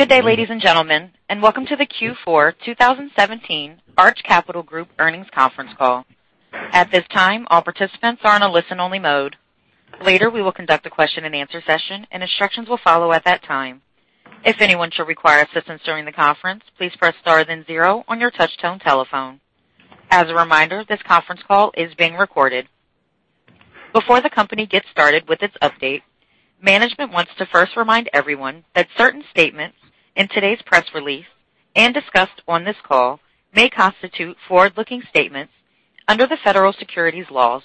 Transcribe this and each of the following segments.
Good day, ladies and gentlemen, and welcome to the Q4 2017 Arch Capital Group earnings conference call. At this time, all participants are in a listen-only mode. Later, we will conduct a question-and-answer session, and instructions will follow at that time. If anyone should require assistance during the conference, please press star then zero on your touchtone telephone. As a reminder, this conference call is being recorded. Before the company gets started with its update, management wants to first remind everyone that certain statements in today's press release and discussed on this call may constitute forward-looking statements under the Federal securities laws.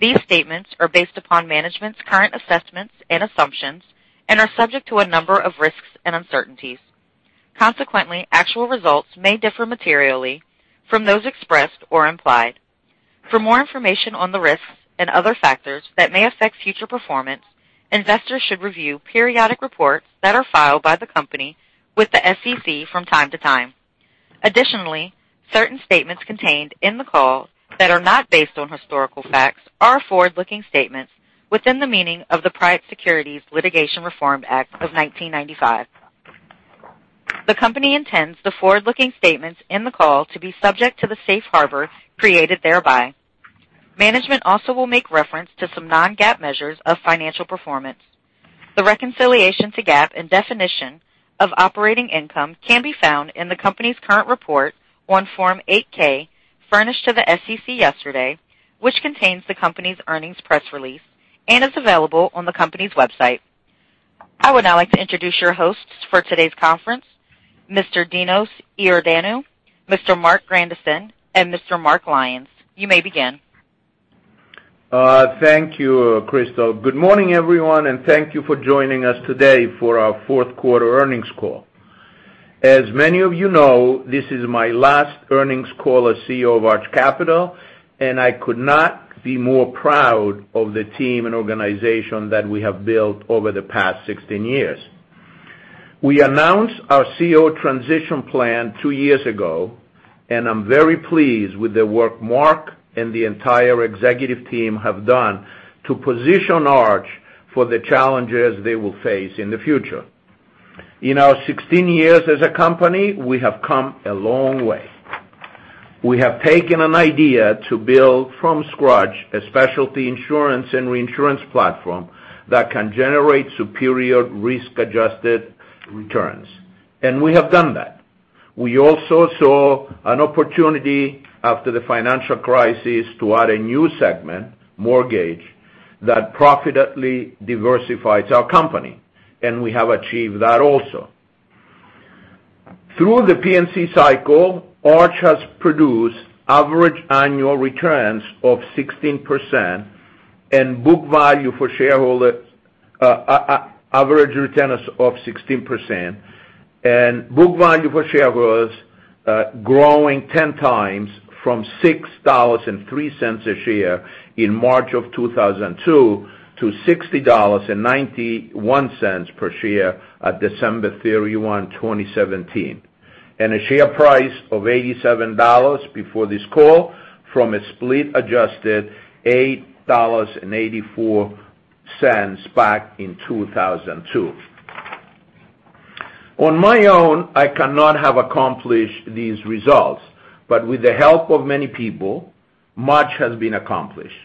These statements are based upon management's current assessments and assumptions and are subject to a number of risks and uncertainties. Consequently, actual results may differ materially from those expressed or implied. For more information on the risks and other factors that may affect future performance, investors should review periodic reports that are filed by the company with the SEC from time to time. Additionally, certain statements contained in the call that are not based on historical facts are forward-looking statements within the meaning of the Private Securities Litigation Reform Act of 1995. The company intends the forward-looking statements in the call to be subject to the safe harbor created thereby. Management also will make reference to some non-GAAP measures of financial performance. The reconciliation to GAAP and definition of operating income can be found in the company's current report on Form 8-K, furnished to the SEC yesterday, which contains the company's earnings press release and is available on the company's website. I would now like to introduce your hosts for today's conference, Mr. Constantine Iordanou, Mr. Marc Grandisson, and Mr. Mark Lyons. You may begin. Thank you, Crystal. Good morning, everyone, and thank you for joining us today for our Q4 earnings call. As many of you know, this is my last earnings call as CEO of Arch Capital, and I could not be more proud of the team and organization that we have built over the past 16 years. We announced our CEO transition plan 2 years ago, and I am very pleased with the work Marc and the entire executive team have done to position Arch for the challenges they will face in the future. In our 16 years as a company, we have come a long way. We have taken an idea to build from scratch a specialty insurance and reinsurance platform that can generate superior risk-adjusted returns. And we have done that. We also saw an opportunity after the financial crisis to add a new segment, mortgage, that profitably diversifies our company. We have achieved that also. Through the P&C cycle, Arch has produced average annual returns of 16% and book value for shareholders growing 10 times from $6.03 a share in March of 2002 to $60.91 per share at December 31, 2017, and a share price of $87 before this call from a split adjusted $8.84 back in 2002. On my own, I cannot have accomplished these results, but with the help of many people, much has been accomplished.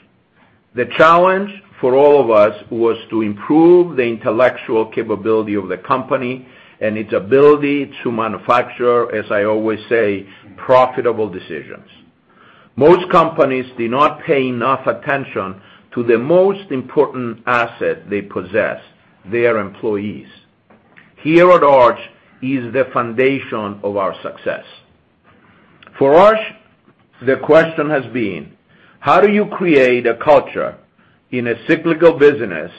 The challenge for all of us was to improve the intellectual capability of the company and its ability to manufacture, as I always say, profitable decisions. Most companies do not pay enough attention to the most important asset they possess, their employees. Here at Arch is the foundation of our success. For Arch, the question has been, how do you create a culture in a cyclical business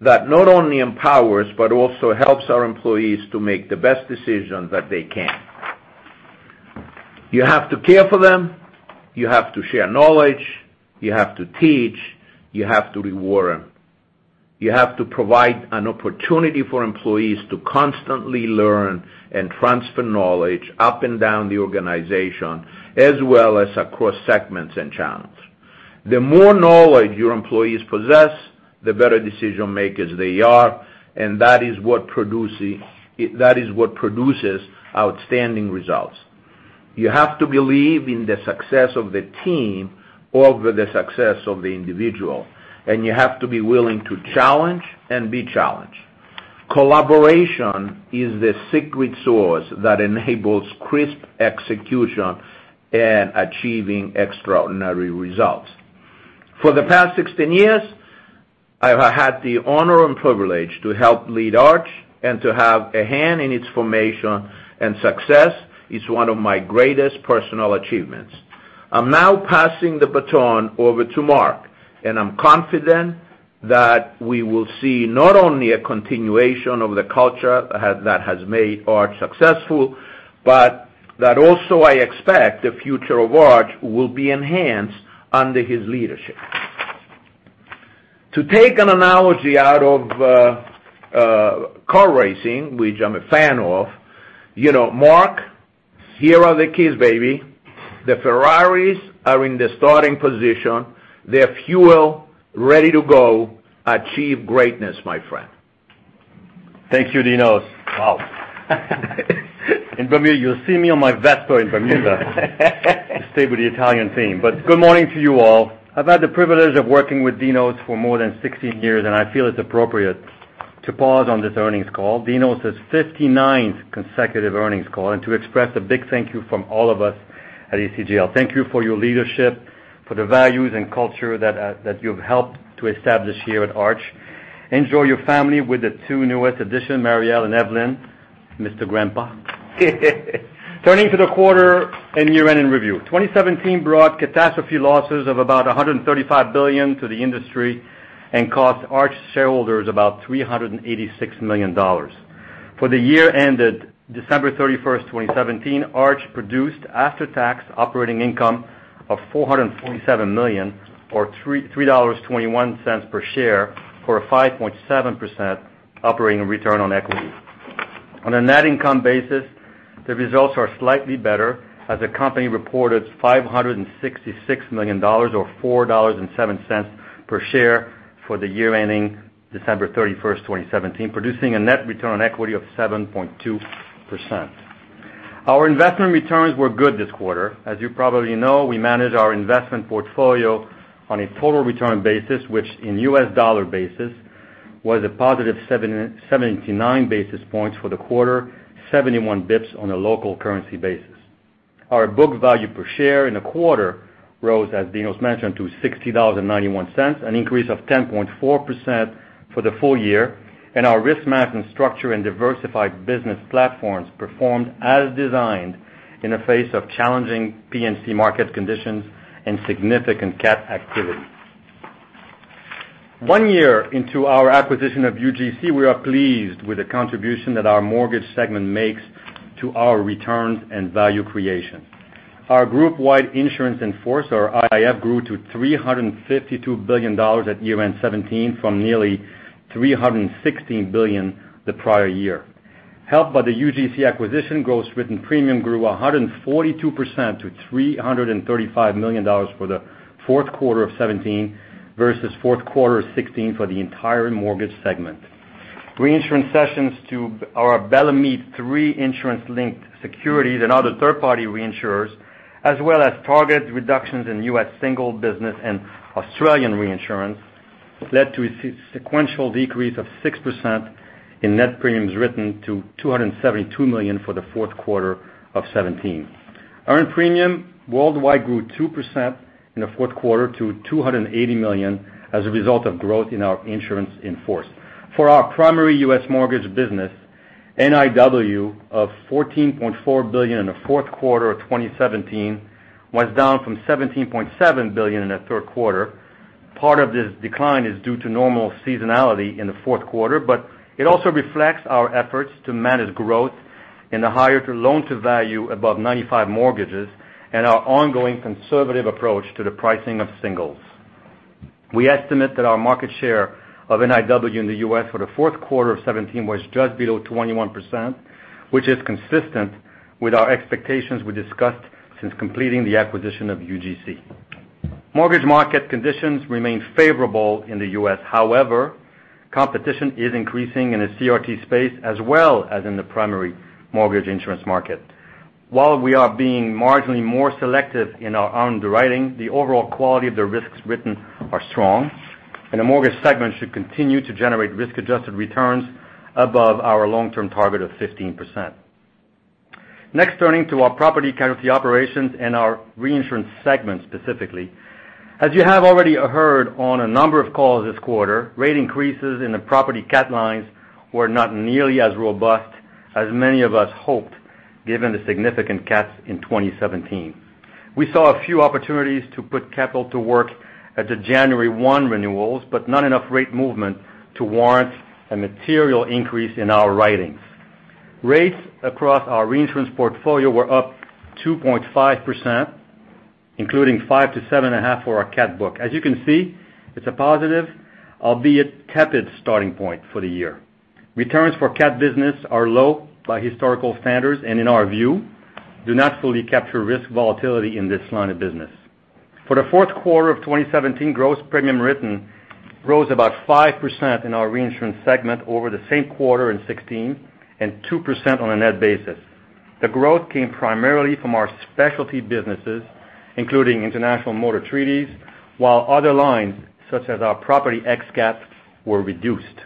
that not only empowers, but also helps our employees to make the best decisions that they can? You have to care for them, you have to share knowledge, you have to teach, you have to reward them. You have to provide an opportunity for employees to constantly learn and transfer knowledge up and down the organization, as well as across segments and channels. The more knowledge your employees possess, the better decision makers they are, and that is what produces outstanding results. You have to believe in the success of the team over the success of the individual, and you have to be willing to challenge and be challenged. Collaboration is the secret sauce that enables crisp execution and achieving extraordinary results. For the past 16 years, I've had the honor and privilege to help lead Arch and to have a hand in its formation and success is one of my greatest personal achievements. I'm now passing the baton over to Marc, and I'm confident that we will see not only a continuation of the culture that has made Arch successful, but that also I expect the future of Arch will be enhanced under his leadership. To take an analogy out of car racing, which I'm a fan of, Marc, here are the keys, baby. The Ferraris are in the starting position, their fuel ready to go. Achieve greatness, my friend. Thank you, Dinos. Wow. In Bermuda, you'll see me on my Vespa in Bermuda. To stay with the Italian theme. Good morning to you all. I've had the privilege of working with Dinos for more than 16 years, and I feel it's appropriate to pause on this earnings call, Dinos' 59th consecutive earnings call, and to express a big thank you from all of us at ACGL. Thank you for your leadership, for the values and culture that you've helped to establish here at Arch. Enjoy your family with the two newest addition, Marielle and Evelyn, Mr. Grandpa. Turning to the quarter and year-end in review. 2017 brought catastrophe losses of about $135 billion to the industry. Cost Arch shareholders about $386 million. For the year ended December 31, 2017, Arch produced after-tax operating income of $447 million or $3.21 per share for a 5.7% operating return on equity. On a net income basis, the results are slightly better as the company reported $566 million or $4.07 per share for the year ending December 31, 2017, producing a net return on equity of 7.2%. Our investment returns were good this quarter. As you probably know, we manage our investment portfolio on a total return basis, which in U.S. dollar basis was a positive 79 basis points for the quarter, 71 basis points on a local currency basis. Our book value per share in the quarter rose, as Dinos mentioned, to $60.91, an increase of 10.4% for the full year, and our risk math and structure and diversified business platforms performed as designed in the face of challenging P&C market conditions and significant cat activity. One year into our acquisition of UGC, we are pleased with the contribution that our mortgage segment makes to our returns and value creation. Our group-wide insurance in force or IIF grew to $352 billion at year-end 2017 from nearly $316 billion the prior year. Helped by the UGC acquisition, gross written premium grew 142% to $335 million for the fourth quarter of 2017 versus fourth quarter of 2016 for the entire mortgage segment. Reinsurance sessions to our Bellemeade III insurance-linked securities and other third-party reinsurers, as well as target reductions in U.S. single business and Australian reinsurance led to a sequential decrease of 6% in net premiums written to $272 million for the fourth quarter of 2017. Earned premium worldwide grew 2% in the fourth quarter to $280 million as a result of growth in our insurance in force. For our primary U.S. mortgage business, NIW of $14.4 billion in the fourth quarter of 2017 was down from $17.7 billion in the third quarter. Part of this decline is due to normal seasonality in the fourth quarter, but it also reflects our efforts to manage growth in the higher loan-to-value above 95% mortgages and our ongoing conservative approach to the pricing of singles. We estimate that our market share of NIW in the U.S. for the fourth quarter of 2017 was just below 21%, which is consistent with our expectations we discussed since completing the acquisition of UGC. Mortgage market conditions remain favorable in the U.S. However, competition is increasing in the CRT space as well as in the primary mortgage insurance market. While we are being marginally more selective in our underwriting, the overall quality of the risks written are strong, and the mortgage segment should continue to generate risk-adjusted returns above our long-term target of 15%. Next, turning to our property casualty operations and our reinsurance segment specifically. As you have already heard on a number of calls this quarter, rate increases in the property cat lines were not nearly as robust as many of us hoped, given the significant cats in 2017. We saw a few opportunities to put capital to work at the January 1 renewals, but not enough rate movement to warrant a material increase in our writings. Rates across our reinsurance portfolio were up 2.5%, including 5% to 7.5% for our cat book. As you can see, it's a positive, albeit tepid starting point for the year. Returns for cat business are low by historical standards and in our view, do not fully capture risk volatility in this line of business. For the fourth quarter of 2017, gross premium written rose about 5% in our reinsurance segment over the same quarter in 2016 and 2% on a net basis. The growth came primarily from our specialty businesses, including international motor treaties, while other lines such as our property ex-cat were reduced.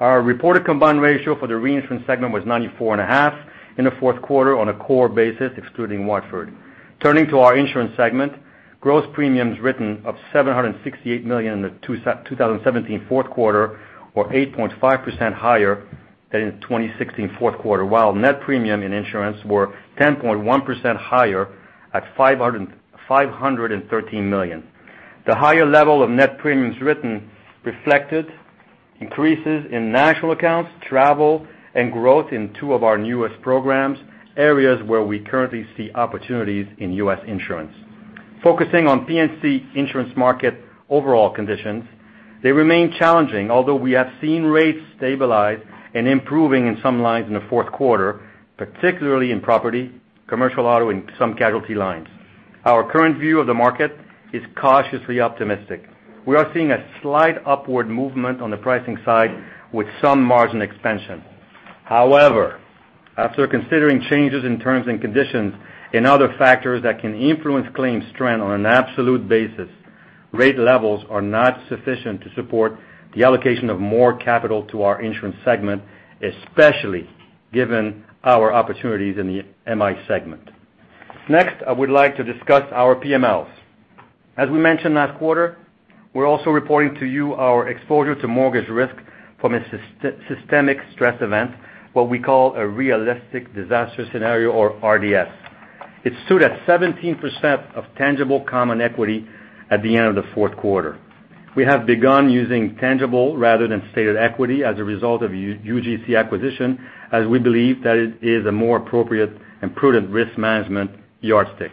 Our reported combined ratio for the reinsurance segment was 94.5 in the fourth quarter on a core basis, excluding Watford. Turning to our insurance segment, gross premiums written of $768 million in the 2017 fourth quarter or 8.5% higher than in 2016 fourth quarter, while net premium in insurance were 10.1% higher at $513 million. The higher level of net premiums written reflected increases in national accounts, travel, and growth in two of our newest programs, areas where we currently see opportunities in U.S. insurance. Focusing on P&C insurance market overall conditions, they remain challenging, although we have seen rates stabilize and improving in some lines in the fourth quarter, particularly in property, commercial auto, and some casualty lines. Our current view of the market is cautiously optimistic. We are seeing a slight upward movement on the pricing side with some margin expansion. However, after considering changes in terms and conditions and other factors that can influence claim strength on an absolute basis, rate levels are not sufficient to support the allocation of more capital to our insurance segment, especially given our opportunities in the MI segment. Next, I would like to discuss our PMLs. As we mentioned last quarter, we're also reporting to you our exposure to mortgage risk from a systemic stress event, what we call a realistic disaster scenario or RDS. It stood at 17% of tangible common equity at the end of the fourth quarter. We have begun using tangible rather than stated equity as a result of UGC acquisition, as we believe that it is a more appropriate and prudent risk management yardstick.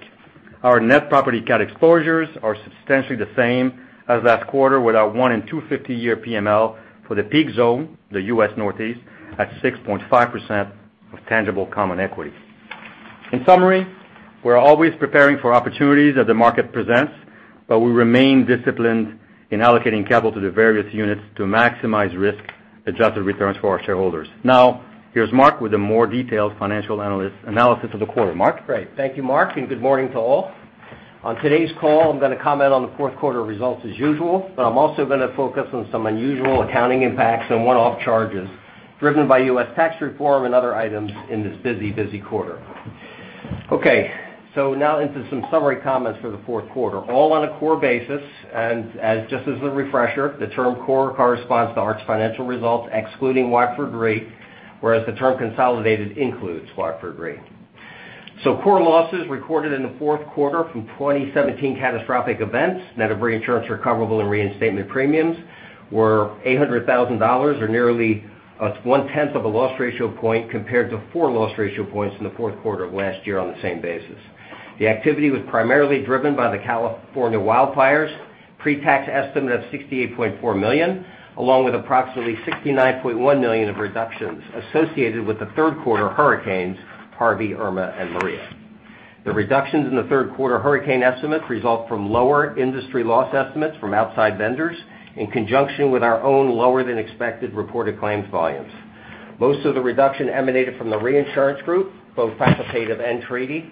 Our net property cat exposures are substantially the same as last quarter with our one in 250-year PML for the peak zone, the U.S. Northeast, at 6.5% of tangible common equity. In summary, we're always preparing for opportunities that the market presents, but we remain disciplined in allocating capital to the various units to maximize risk-adjusted returns for our shareholders. Now, here's Mark with a more detailed financial analysis of the quarter. Mark? Great. Thank you, Mark, and good morning to all. On today's call, I'm going to comment on the fourth quarter results as usual, but I'm also going to focus on some unusual accounting impacts and one-off charges driven by U.S. tax reform and other items in this busy quarter. Now into some summary comments for the fourth quarter, all on a core basis. Just as a refresher, the term core corresponds to Arch Financial results excluding Watford Re, whereas the term consolidated includes Watford Re. Core losses recorded in the fourth quarter from 2017 catastrophic events, net of reinsurance recoverable and reinstatement premiums, were $800,000, or nearly one-tenth of a loss ratio point compared to four loss ratio points in the fourth quarter of last year on the same basis. The activity was primarily driven by the California wildfires, pre-tax estimate of $68.4 million, along with approximately $69.1 million of reductions associated with the third quarter hurricanes, Harvey, Irma, and Maria. The reductions in the third quarter hurricane estimates result from lower industry loss estimates from outside vendors in conjunction with our own lower than expected reported claims volumes. Most of the reduction emanated from the reinsurance group, both facultative and treaty.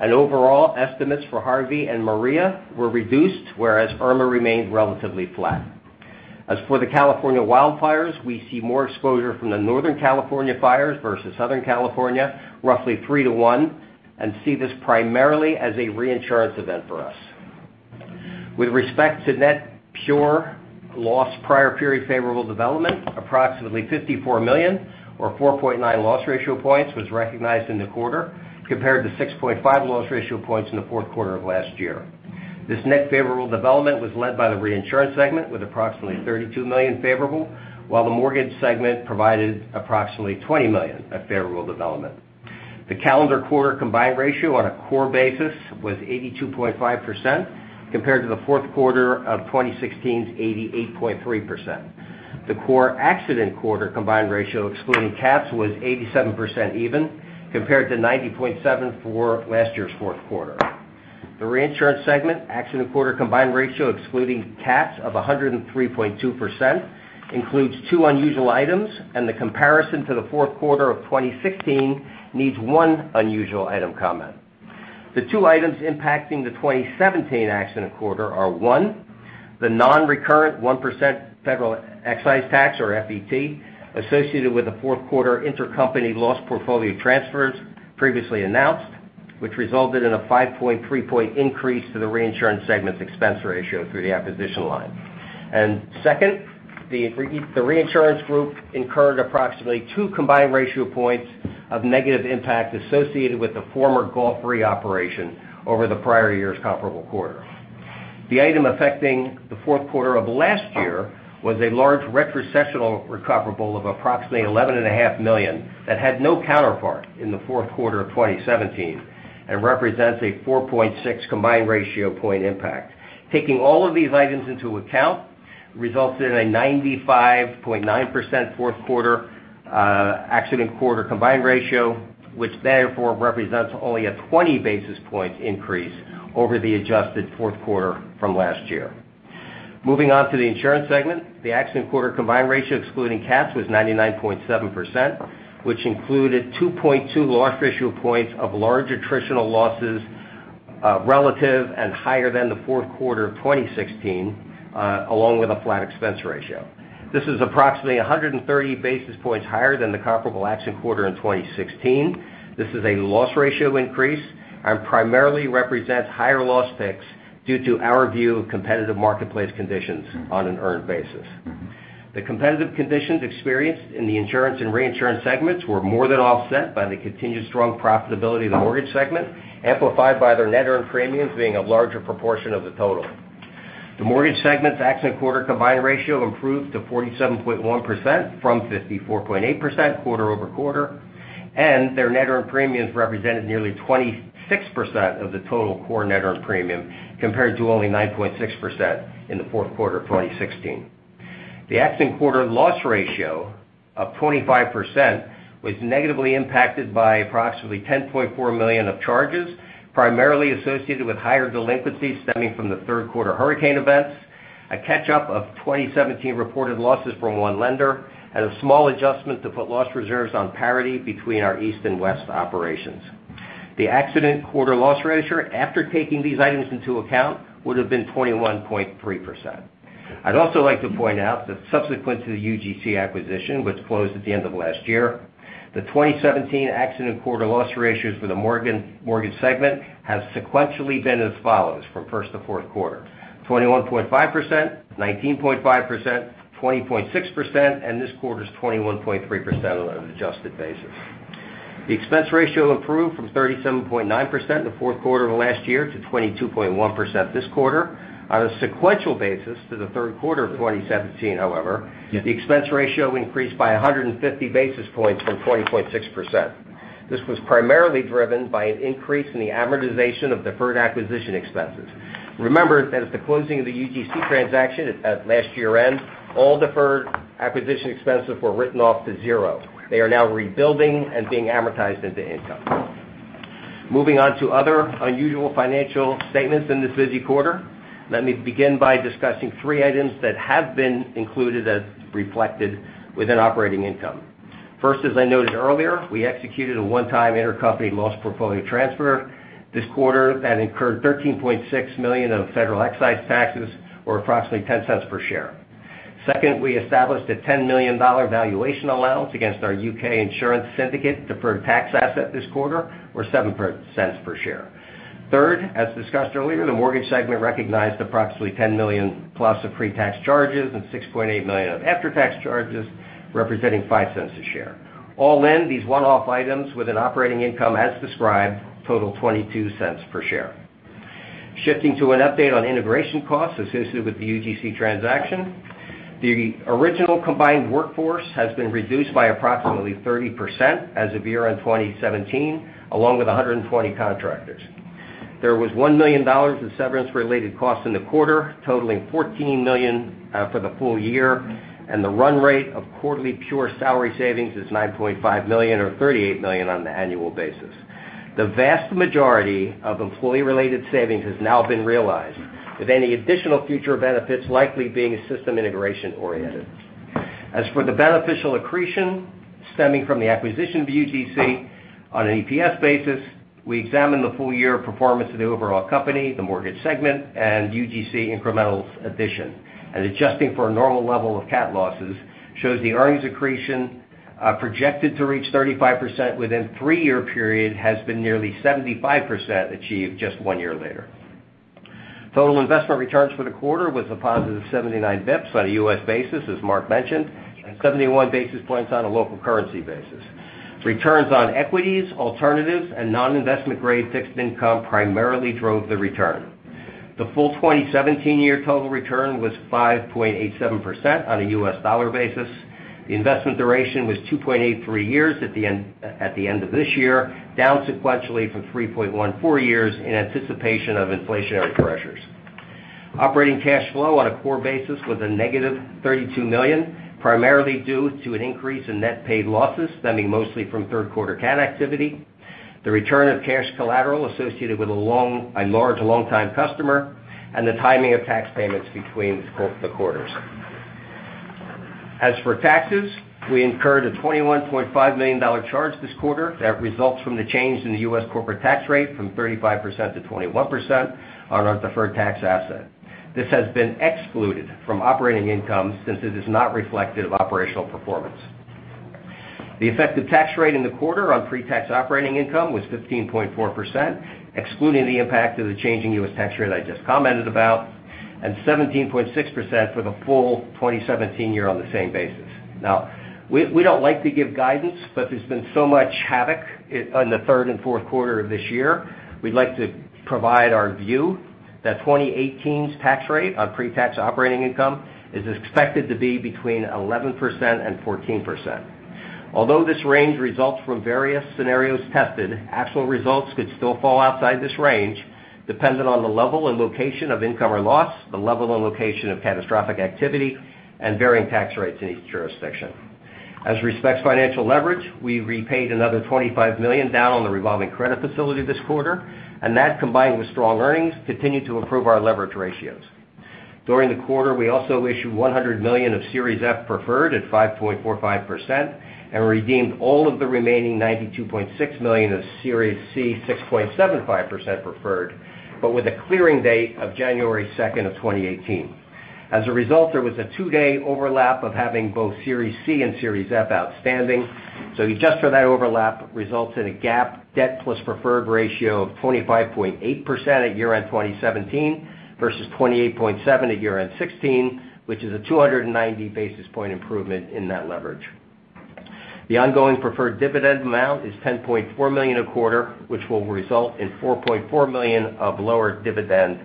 Overall estimates for Harvey and Maria were reduced, whereas Irma remained relatively flat. As for the California wildfires, we see more exposure from the Northern California fires versus Southern California, roughly 3 to 1, and see this primarily as a reinsurance event for us. With respect to net pure loss prior period favorable development, approximately $54 million, or 4.9 loss ratio points was recognized in the quarter compared to 6.5 loss ratio points in the fourth quarter of last year. This net favorable development was led by the reinsurance segment with approximately $32 million favorable, while the mortgage segment provided approximately $20 million of favorable development. The calendar quarter combined ratio on a core basis was 82.5% compared to the fourth quarter of 2016's 88.3%. The core accident quarter combined ratio excluding cats was 87% even compared to 90.7% for last year's fourth quarter. The reinsurance segment accident quarter combined ratio excluding cats of 103.2% includes two unusual items, and the comparison to the fourth quarter of 2016 needs one unusual item comment. The two items impacting the 2017 accident quarter are, one, the non-recurrent 1% Federal Excise Tax or FET associated with the fourth quarter intercompany loss portfolio transfers previously announced, which resulted in a 5.3-point increase to the reinsurance segment's expense ratio through the acquisition line. Second, the reinsurance group incurred approximately two combined ratio points of negative impact associated with the former Gulf Re operation over the prior year's comparable quarter. The item affecting the fourth quarter of last year was a large retrocessional recoverable of approximately $11.5 million that had no counterpart in the fourth quarter of 2017 and represents a 4.6 combined ratio point impact. Taking all of these items into account resulted in a 95.9% fourth quarter accident quarter combined ratio, which therefore represents only a 20 basis points increase over the adjusted fourth quarter from last year. Moving on to the insurance segment. The accident quarter combined ratio excluding cats was 99.7%, which included 2.2 loss ratio points of large attritional losses relative and higher than the fourth quarter of 2016, along with a flat expense ratio. This is approximately 130 basis points higher than the comparable accident quarter in 2016. This is a loss ratio increase and primarily represents higher loss picks due to our view of competitive marketplace conditions on an earned basis. The competitive conditions experienced in the insurance and reinsurance segments were more than offset by the continued strong profitability of the mortgage segment, amplified by their net earned premiums being a larger proportion of the total. The mortgage segment's accident quarter combined ratio improved to 47.1% from 54.8% quarter-over-quarter, and their net earned premiums represented nearly 26% of the total core net earned premium, compared to only 9.6% in the fourth quarter of 2016. The accident quarter loss ratio of 25% was negatively impacted by approximately $10.4 million of charges, primarily associated with higher delinquencies stemming from the third quarter hurricane events, a catch-up of 2017 reported losses from one lender, and a small adjustment to put loss reserves on parity between our East and West operations. The accident quarter loss ratio, after taking these items into account, would've been 21.3%. I'd also like to point out that subsequent to the UGC acquisition, which closed at the end of last year, the 2017 accident quarter loss ratios for the mortgage segment has sequentially been as follows from first to fourth quarter: 21.5%, 19.5%, 20.6%, and this quarter's 21.3% on an adjusted basis. The expense ratio improved from 37.9% in the fourth quarter of last year to 22.1% this quarter. On a sequential basis to the third quarter of 2017, however, the expense ratio increased by 150 basis points from 20.6%. This was primarily driven by an increase in the amortization of deferred acquisition expenses. Remember that at the closing of the UGC transaction at last year-end, all deferred acquisition expenses were written off to zero. They are now rebuilding and being amortized into income. Moving on to other unusual financial statements in this busy quarter, let me begin by discussing three items that have been included as reflected within operating income. First, as I noted earlier, we executed a one-time intercompany loss portfolio transfer this quarter that incurred $13.6 million of federal excise taxes or approximately $0.10 per share. Second, we established a $10 million valuation allowance against our U.K. insurance syndicate deferred tax asset this quarter or $0.07 per share. Third, as discussed earlier, the mortgage segment recognized approximately $10 million plus of pre-tax charges and $6.8 million of after-tax charges, representing $0.05 a share. All in, these one-off items with an operating income as described total $0.22 per share. Shifting to an update on integration costs associated with the UGC transaction, the original combined workforce has been reduced by approximately 30% as of year-end 2017, along with 120 contractors. There was $1 million in severance-related costs in the quarter, totaling $14 million for the full year, and the run rate of quarterly pure salary savings is $9.5 million or $38 million on the annual basis. The vast majority of employee-related savings has now been realized with any additional future benefits likely being system integration oriented. As for the beneficial accretion stemming from the acquisition of UGC on an EPS basis, we examined the full year performance of the overall company, the mortgage segment, and UGC incremental addition. Adjusting for a normal level of cat losses shows the earnings accretion, projected to reach 35% within three-year period, has been nearly 75% achieved just one year later. Total investment returns for the quarter was a positive 79 basis points on a U.S. basis, as Marc mentioned, and 71 basis points on a local currency basis. Returns on equities, alternatives, and non-investment grade fixed income primarily drove the return. The full 2017 year total return was 5.87% on a U.S. dollar basis. The investment duration was 2.83 years at the end of this year, down sequentially from 3.14 years in anticipation of inflationary pressures. Operating cash flow on a core basis was a negative $32 million, primarily due to an increase in net paid losses stemming mostly from third quarter cat activity, the return of cash collateral associated with a large longtime customer, and the timing of tax payments between the quarters. For taxes, we incurred a $21.5 million charge this quarter that results from the change in the U.S. corporate tax rate from 35% to 21% on our deferred tax asset. This has been excluded from operating income since it is not reflective of operational performance. The effective tax rate in the quarter on pre-tax operating income was 15.4%, excluding the impact of the change in U.S. tax rate I just commented about, and 17.6% for the full 2017 year on the same basis. We don't like to give guidance, but there's been so much havoc on the third and fourth quarter of this year. We'd like to provide our view that 2018's tax rate on pre-tax operating income is expected to be between 11% and 14%. This range results from various scenarios tested, actual results could still fall outside this range, dependent on the level and location of income or loss, the level and location of catastrophic activity, and varying tax rates in each jurisdiction. Respects financial leverage, we repaid another $25 million down on the revolving credit facility this quarter, and that, combined with strong earnings, continued to improve our leverage ratios. During the quarter, we also issued $100 million of Series F preferred at 5.45% and redeemed all of the remaining $92.6 million of Series C 6.75% preferred, but with a clearing date of January 2nd of 2018. A result, there was a two-day overlap of having both Series C and Series F outstanding, you adjust for that overlap results in a GAAP debt plus preferred ratio of 25.8% at year-end 2017 versus 28.7% at year-end 2016, which is a 290 basis point improvement in that leverage. The ongoing preferred dividend amount is $10.4 million a quarter, which will result in $4.4 million of lower dividend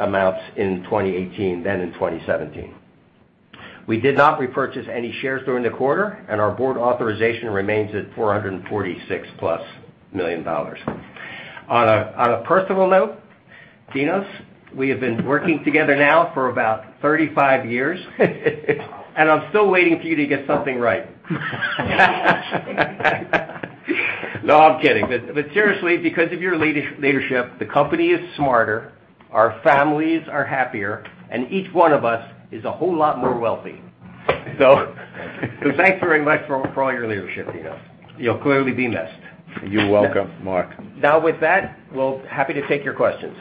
amounts in 2018 than in 2017. We did not repurchase any shares during the quarter, and our board authorization remains at $446-plus million. On a personal note, Dinos, we have been working together now for about 35 years. I'm still waiting for you to get something right. No, I'm kidding. Seriously, because of your leadership, the company is smarter, our families are happier, and each one of us is a whole lot more wealthy. Thanks very much for all your leadership, Dinos. You'll clearly be missed. You're welcome, Mark. With that, we'll happy to take your questions.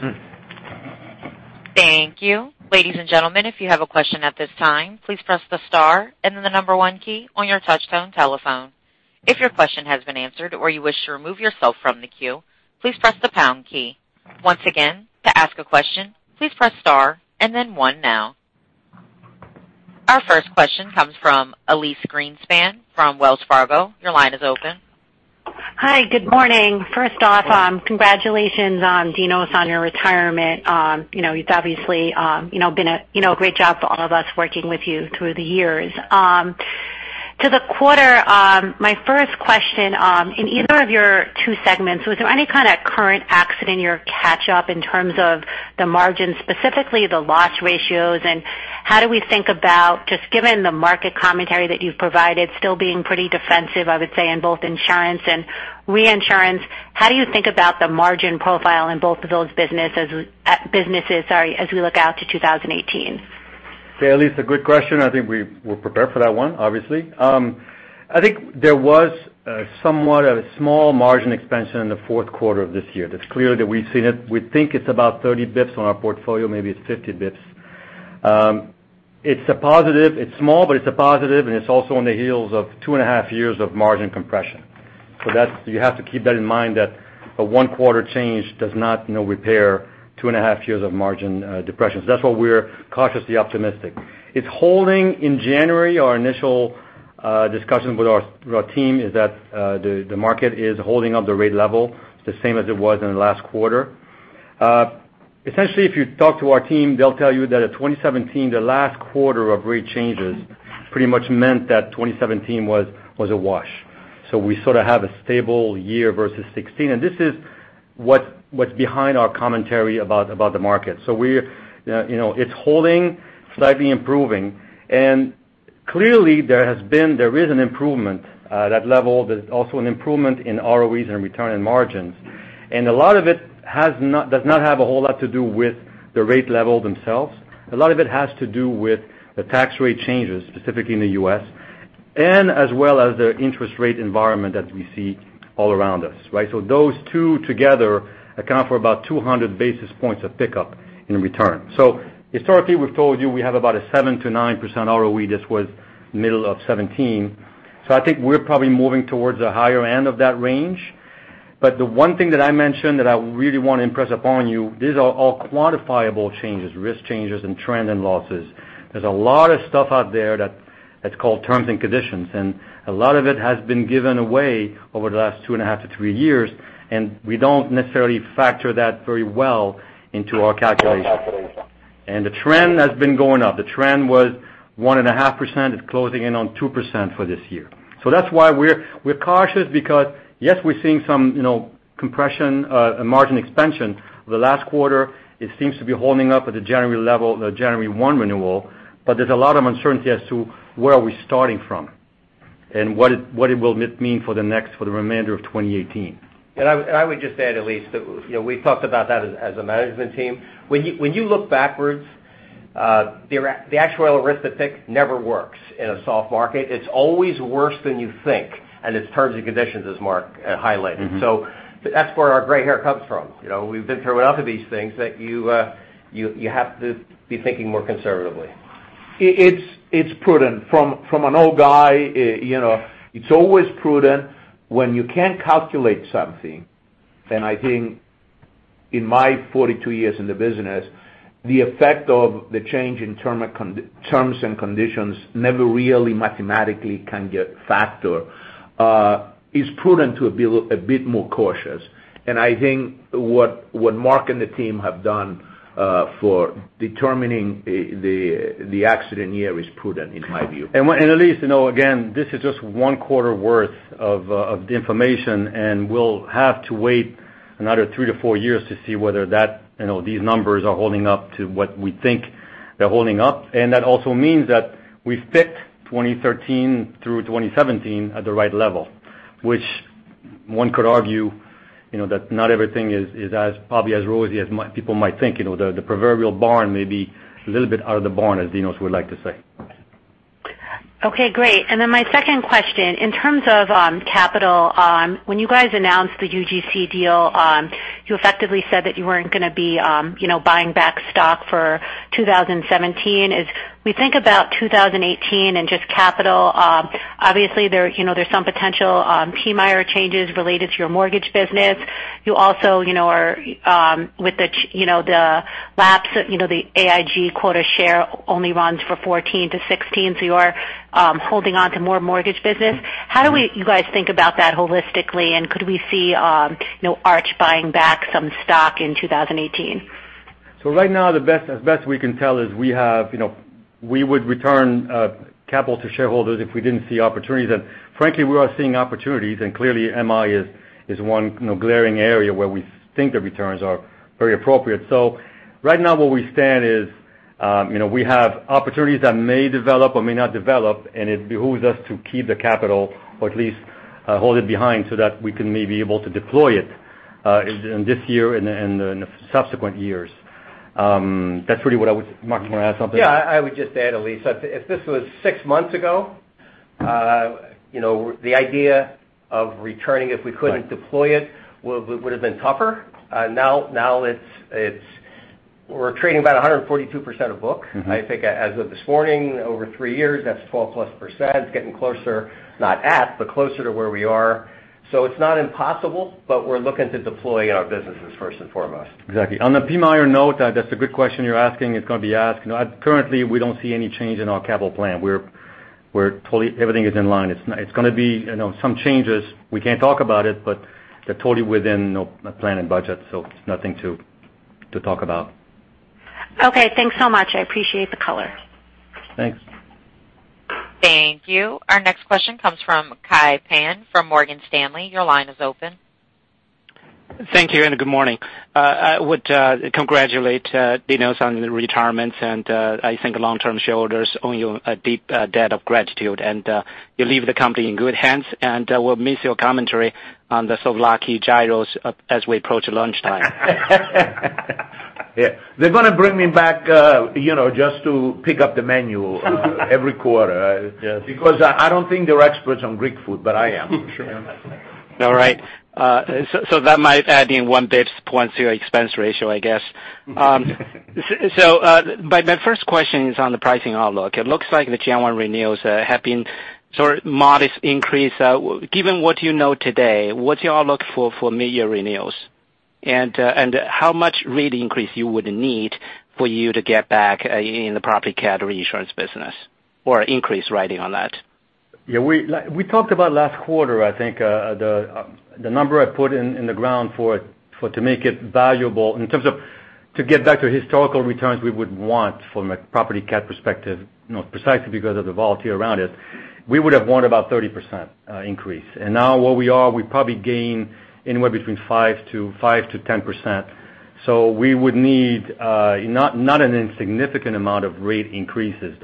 Thank you. Ladies and gentlemen, if you have a question at this time, please press the star and then the 1 key on your touch tone telephone. If your question has been answered or you wish to remove yourself from the queue, please press the pound key. Once again, to ask a question, please press star and then 1 now. Our first question comes from Elyse Greenspan from Wells Fargo. Your line is open. Hi, good morning. First off, congratulations, Dinos, on your retirement. It's obviously been a great job for all of us working with you through the years. To the quarter, my first question, in either of your two segments, was there any kind of current accident year catch up in terms of the margins, specifically the loss ratios? How do we think about, just given the market commentary that you've provided, still being pretty defensive, I would say, in both insurance and reinsurance, how do you think about the margin profile in both of those businesses as we look out to 2018? Okay, Elyse, a good question. I think we were prepared for that one, obviously. I think there was somewhat of a small margin expansion in the fourth quarter of this year. That's clear that we've seen it. We think it's about 30 basis points on our portfolio, maybe it's 50 basis points. It's a positive. It's small, but it's a positive, and it's also on the heels of two and a half years of margin compression. You have to keep that in mind that a one quarter change does not repair two and a half years of margin compression. That's why we're cautiously optimistic. It's holding in January. Our initial discussion with our team is that the market is holding up the rate level the same as it was in the last quarter. Essentially, if you talk to our team, they'll tell you that at 2017, the last quarter of rate changes pretty much meant that 2017 was a wash. We sort of have a stable year versus 2016, this is what's behind our commentary about the market. It's holding, slightly improving. Clearly there is an improvement at that level. There's also an improvement in ROEs and return in margins. A lot of it does not have a whole lot to do with the rate level themselves. A lot of it has to do with the tax rate changes, specifically in the U.S., as well as the interest rate environment that we see all around us. Right? Those two together account for about 200 basis points of pickup in return. Historically, we've told you we have about a 7% to 9% ROE. This was middle of 2017. I think we're probably moving towards the higher end of that range. The one thing that I mentioned that I really want to impress upon you, these are all quantifiable changes, risk changes and trend and losses. There's a lot of stuff out there that's called terms and conditions, a lot of it has been given away over the last two and a half to three years, we don't necessarily factor that very well into our calculations. The trend has been going up. The trend was 1.5%. It's closing in on 2% for this year. That's why we're cautious because, yes, we're seeing some compression, margin expansion. The last quarter, it seems to be holding up at the January 1 renewal. There's a lot of uncertainty as to where are we starting from and what it will mean for the remainder of 2018. I would just add, Elyse, that we've talked about that as a management team. When you look backwards, the actuarial arithmetic never works in a soft market. It's always worse than you think, and it's terms and conditions as Marc highlighted. That's where our gray hair comes from. We've been through enough of these things that you have to be thinking more conservatively. It's prudent from an old guy. It's always prudent when you can't calculate something, I think in my 42 years in the business, the effect of the change in terms and conditions never really mathematically can get factored. It's prudent to be a bit more cautious, I think what Marc and the team have done for determining the accident year is prudent in my view. Elyse, again, this is just one quarter worth of the information, we'll have to wait another three to four years to see whether these numbers are holding up to what we think they're holding up. That also means that we've picked 2013 through 2017 at the right level, which one could argue that not everything is as probably as rosy as people might think. The proverbial barn may be a little bit out of the barn, as Dinos would like to say. Okay, great. My second question, in terms of capital, when you guys announced the UGC deal, you effectively said that you weren't going to be buying back stock for 2017. As we think about 2018 and just capital, obviously there's some potential PMIER changes related to your mortgage business. You also are with the lapse of the AIG quota share only runs for 2014 to 2016. You are holding on to more mortgage business. How do you guys think about that holistically, and could we see Arch buying back some stock in 2018? Right now, as best we can tell is we would return capital to shareholders if we didn't see opportunities. Frankly, we are seeing opportunities, and clearly MI is one glaring area where we think the returns are very appropriate. Right now where we stand is we have opportunities that may develop or may not develop, and it behooves us to keep the capital or at least hold it behind so that we can maybe able to deploy it in this year and in the subsequent years. That's really what I would Mark, do you want to add something? I would just add, Elyse, if this was six months ago, the idea of returning if we couldn't deploy it would have been tougher. Now we're trading about 142% of book. I think as of this morning, over three years, that's 12+%. It's getting closer, not at, but closer to where we are. It's not impossible, but we're looking to deploy in our businesses first and foremost. Exactly. On the PMIER note, that's a good question you're asking. It's going to be asked. Currently, we don't see any change in our capital plan. Everything is in line. It's going to be some changes. We can't talk about it, but they're totally within plan and budget, so it's nothing to talk about. Okay, thanks so much. I appreciate the color. Thanks. Thank you. Our next question comes from Kai Pan from Morgan Stanley. Your line is open. Thank you. Good morning. I would congratulate Dinos on the retirements. I think long-term shareholders owe you a deep debt of gratitude. You leave the company in good hands, and we'll miss your commentary on the souvlaki gyros as we approach lunchtime. Yeah. They're going to bring me back just to pick up the menu every quarter. Yes. I don't think they're experts on Greek food, but I am. Sure am. All right. That might add in one basis point to your expense ratio, I guess. My first question is on the pricing outlook. It looks like the January renewals have been sort of modest increase. Given what you know today, what's your outlook for mid-year renewals? How much rate increase you would need for you to get back in the property cat reinsurance business or increase writing on that? Yeah, we talked about last quarter, I think, the number I put in the ground to make it valuable in terms of to get back to historical returns we would want from a property cat perspective precisely because of the volatility around it, we would have wanted about 30% increase. Now where we are, we probably gain anywhere between 5%-10%. We would need not an insignificant amount of rate increases.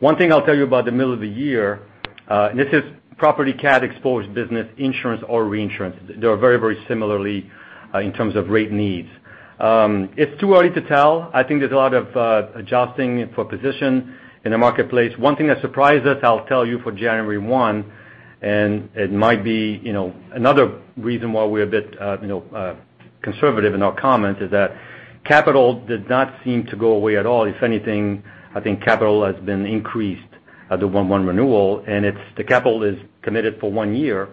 One thing I'll tell you about the middle of the year, and this is property cat exposed business insurance or reinsurance. They are very similarly in terms of rate needs. It's too early to tell. I think there's a lot of adjusting for position in the marketplace. One thing that surprised us, I'll tell you for January 1, and it might be another reason why we're a bit conservative in our comments, is that capital did not seem to go away at all. If anything, I think capital has been increased at the 1/1 renewal, and the capital is committed for one year.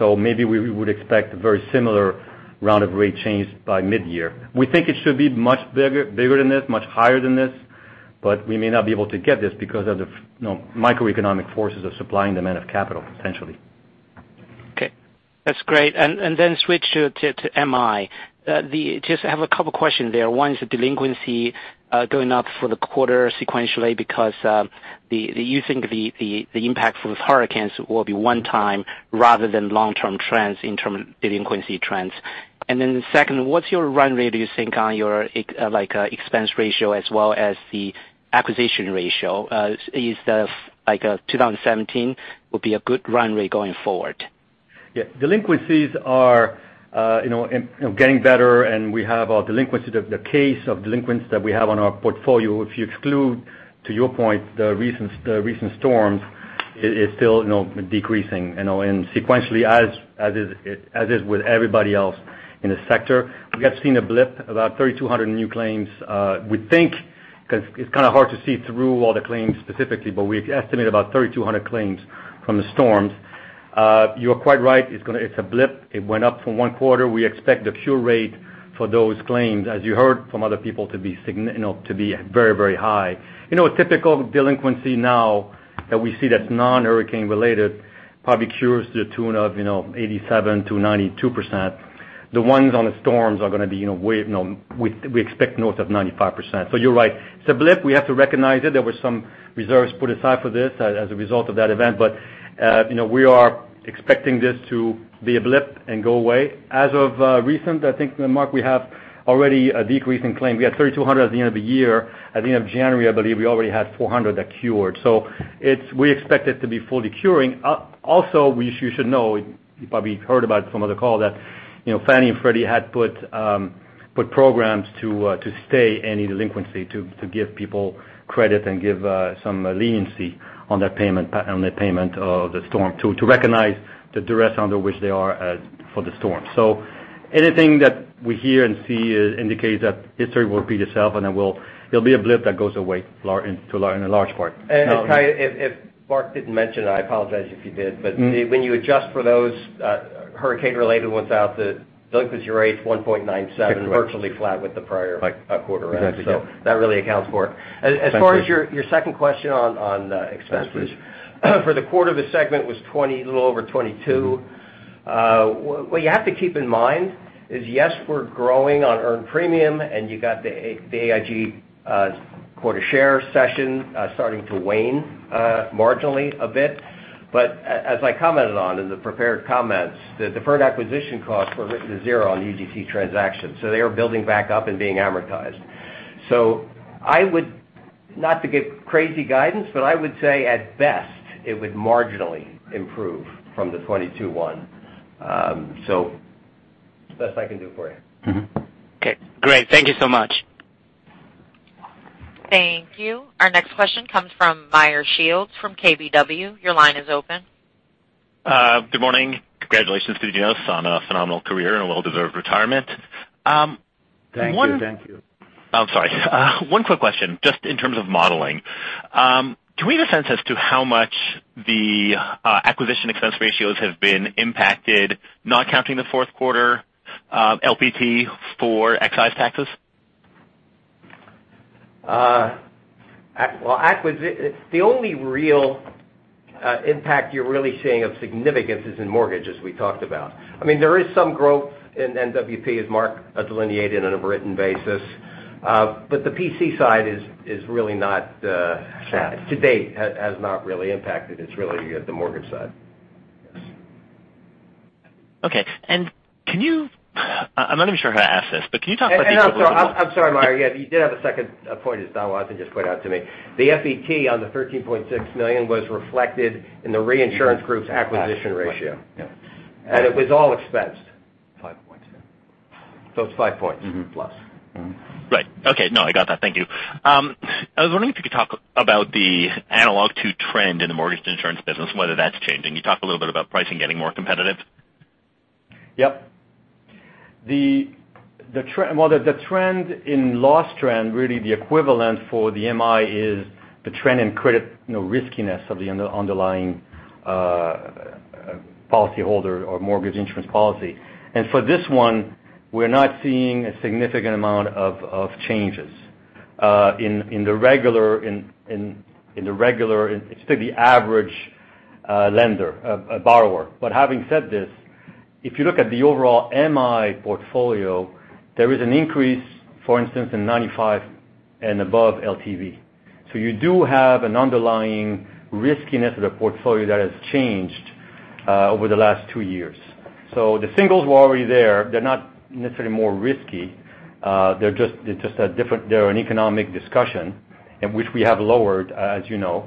Maybe we would expect a very similar round of rate change by mid-year. We think it should be much bigger than this, much higher than this, but we may not be able to get this because of the microeconomic forces of supplying the amount of capital, potentially. Okay. That's great. Then switch to MI. Just have a couple questions there. One is the delinquency going up for the quarter sequentially because you think the impact from those hurricanes will be one-time rather than long-term trends in terms of delinquency trends. Then second, what's your run rate do you think on your expense ratio as well as the acquisition ratio? Is like 2017 will be a good run rate going forward? Yeah. Delinquencies are getting better, and we have our delinquencies, the case of delinquents that we have on our portfolio. If you exclude, to your point, the recent storms, it's still decreasing. Sequentially, as is with everybody else in the sector, we have seen a blip, about 3,200 new claims we think, because it's kind of hard to see through all the claims specifically, but we estimate about 3,200 claims from the storms. You are quite right. It's a blip. It went up from one quarter. We expect the cure rate for those claims, as you heard from other people, to be very high. A typical delinquency now that we see that's non-hurricane related probably cures to the tune of 87%-92%. The ones on the storms are going to be we expect north of 95%. You're right. It's a blip. We have to recognize it. There were some reserves put aside for this as a result of that event. We are expecting this to be a blip and go away. As of recent, I think, Mark, we have already a decrease in claims. We had 3,200 at the end of the year. At the end of January, I believe we already had 400 that cured. We expect it to be fully curing. Also, you should know, you probably heard about it from other call that Fannie Mae and Freddie Mac had put programs to stay any delinquency to give people credit and give some leniency on their payment of the storm, to recognize the duress under which they are for the storm. Anything that we hear and see indicates that history will repeat itself, and there'll be a blip that goes away in a large part. Kai, if Mark didn't mention, I apologize if he did. When you adjust for those hurricane related ones out, the delinquency rate is 1.97, virtually flat with the prior quarter. Exactly. That really accounts for it. As far as your second question on expenses, for the quarter, the segment was a little over 22. What you have to keep in mind is, yes, we're growing on earned premium. You got the AIG quota share cession starting to wane marginally a bit. As I commented on in the prepared comments, the deferred acquisition costs were written to zero on the UGC transaction, they are building back up and being amortized. I would, not to give crazy guidance, but I would say at best, it would marginally improve from the 22.1. That's the best I can do for you. Okay, great. Thank you so much. Thank you. Our next question comes from Meyer Shields from KBW. Your line is open. Good morning. Congratulations to Dinos on a phenomenal career and a well-deserved retirement. Thank you. I'm sorry. One quick question, just in terms of modeling. Can we get a sense as to how much the acquisition expense ratios have been impacted, not counting the fourth quarter, LPT for excise taxes? The only real impact you're really seeing of significance is in mortgage, as we talked about. There is some growth in NWP, as Mark delineated in a written basis. The P&C side, to date, has not really impacted. It's really the mortgage side. Okay. I'm not even sure how to ask this. I'm sorry, Meyer. You did have a second point, as Donald Watson just pointed out to me. The FET on the $13.6 million was reflected in the reinsurance group's acquisition ratio. Yes. It was all expensed. Five points, yeah. So it's five points. Right. Okay. No, I got that. Thank you. I was wondering if you could talk about the analog to trend in the mortgage insurance business, and whether that's changing. You talked a little bit about pricing getting more competitive. Yep. The trend in loss trend, really the equivalent for the MI is the trend in credit riskiness of the underlying policyholder or mortgage insurance policy. For this one, we're not seeing a significant amount of changes in the regular, especially the average lender, borrower. Having said this, if you look at the overall MI portfolio, there is an increase, for instance, in 95 and above LTV. You do have an underlying riskiness of the portfolio that has changed over the last two years. The singles were already there. They're not necessarily more risky. They're an economic discussion, and which we have lowered, as you know.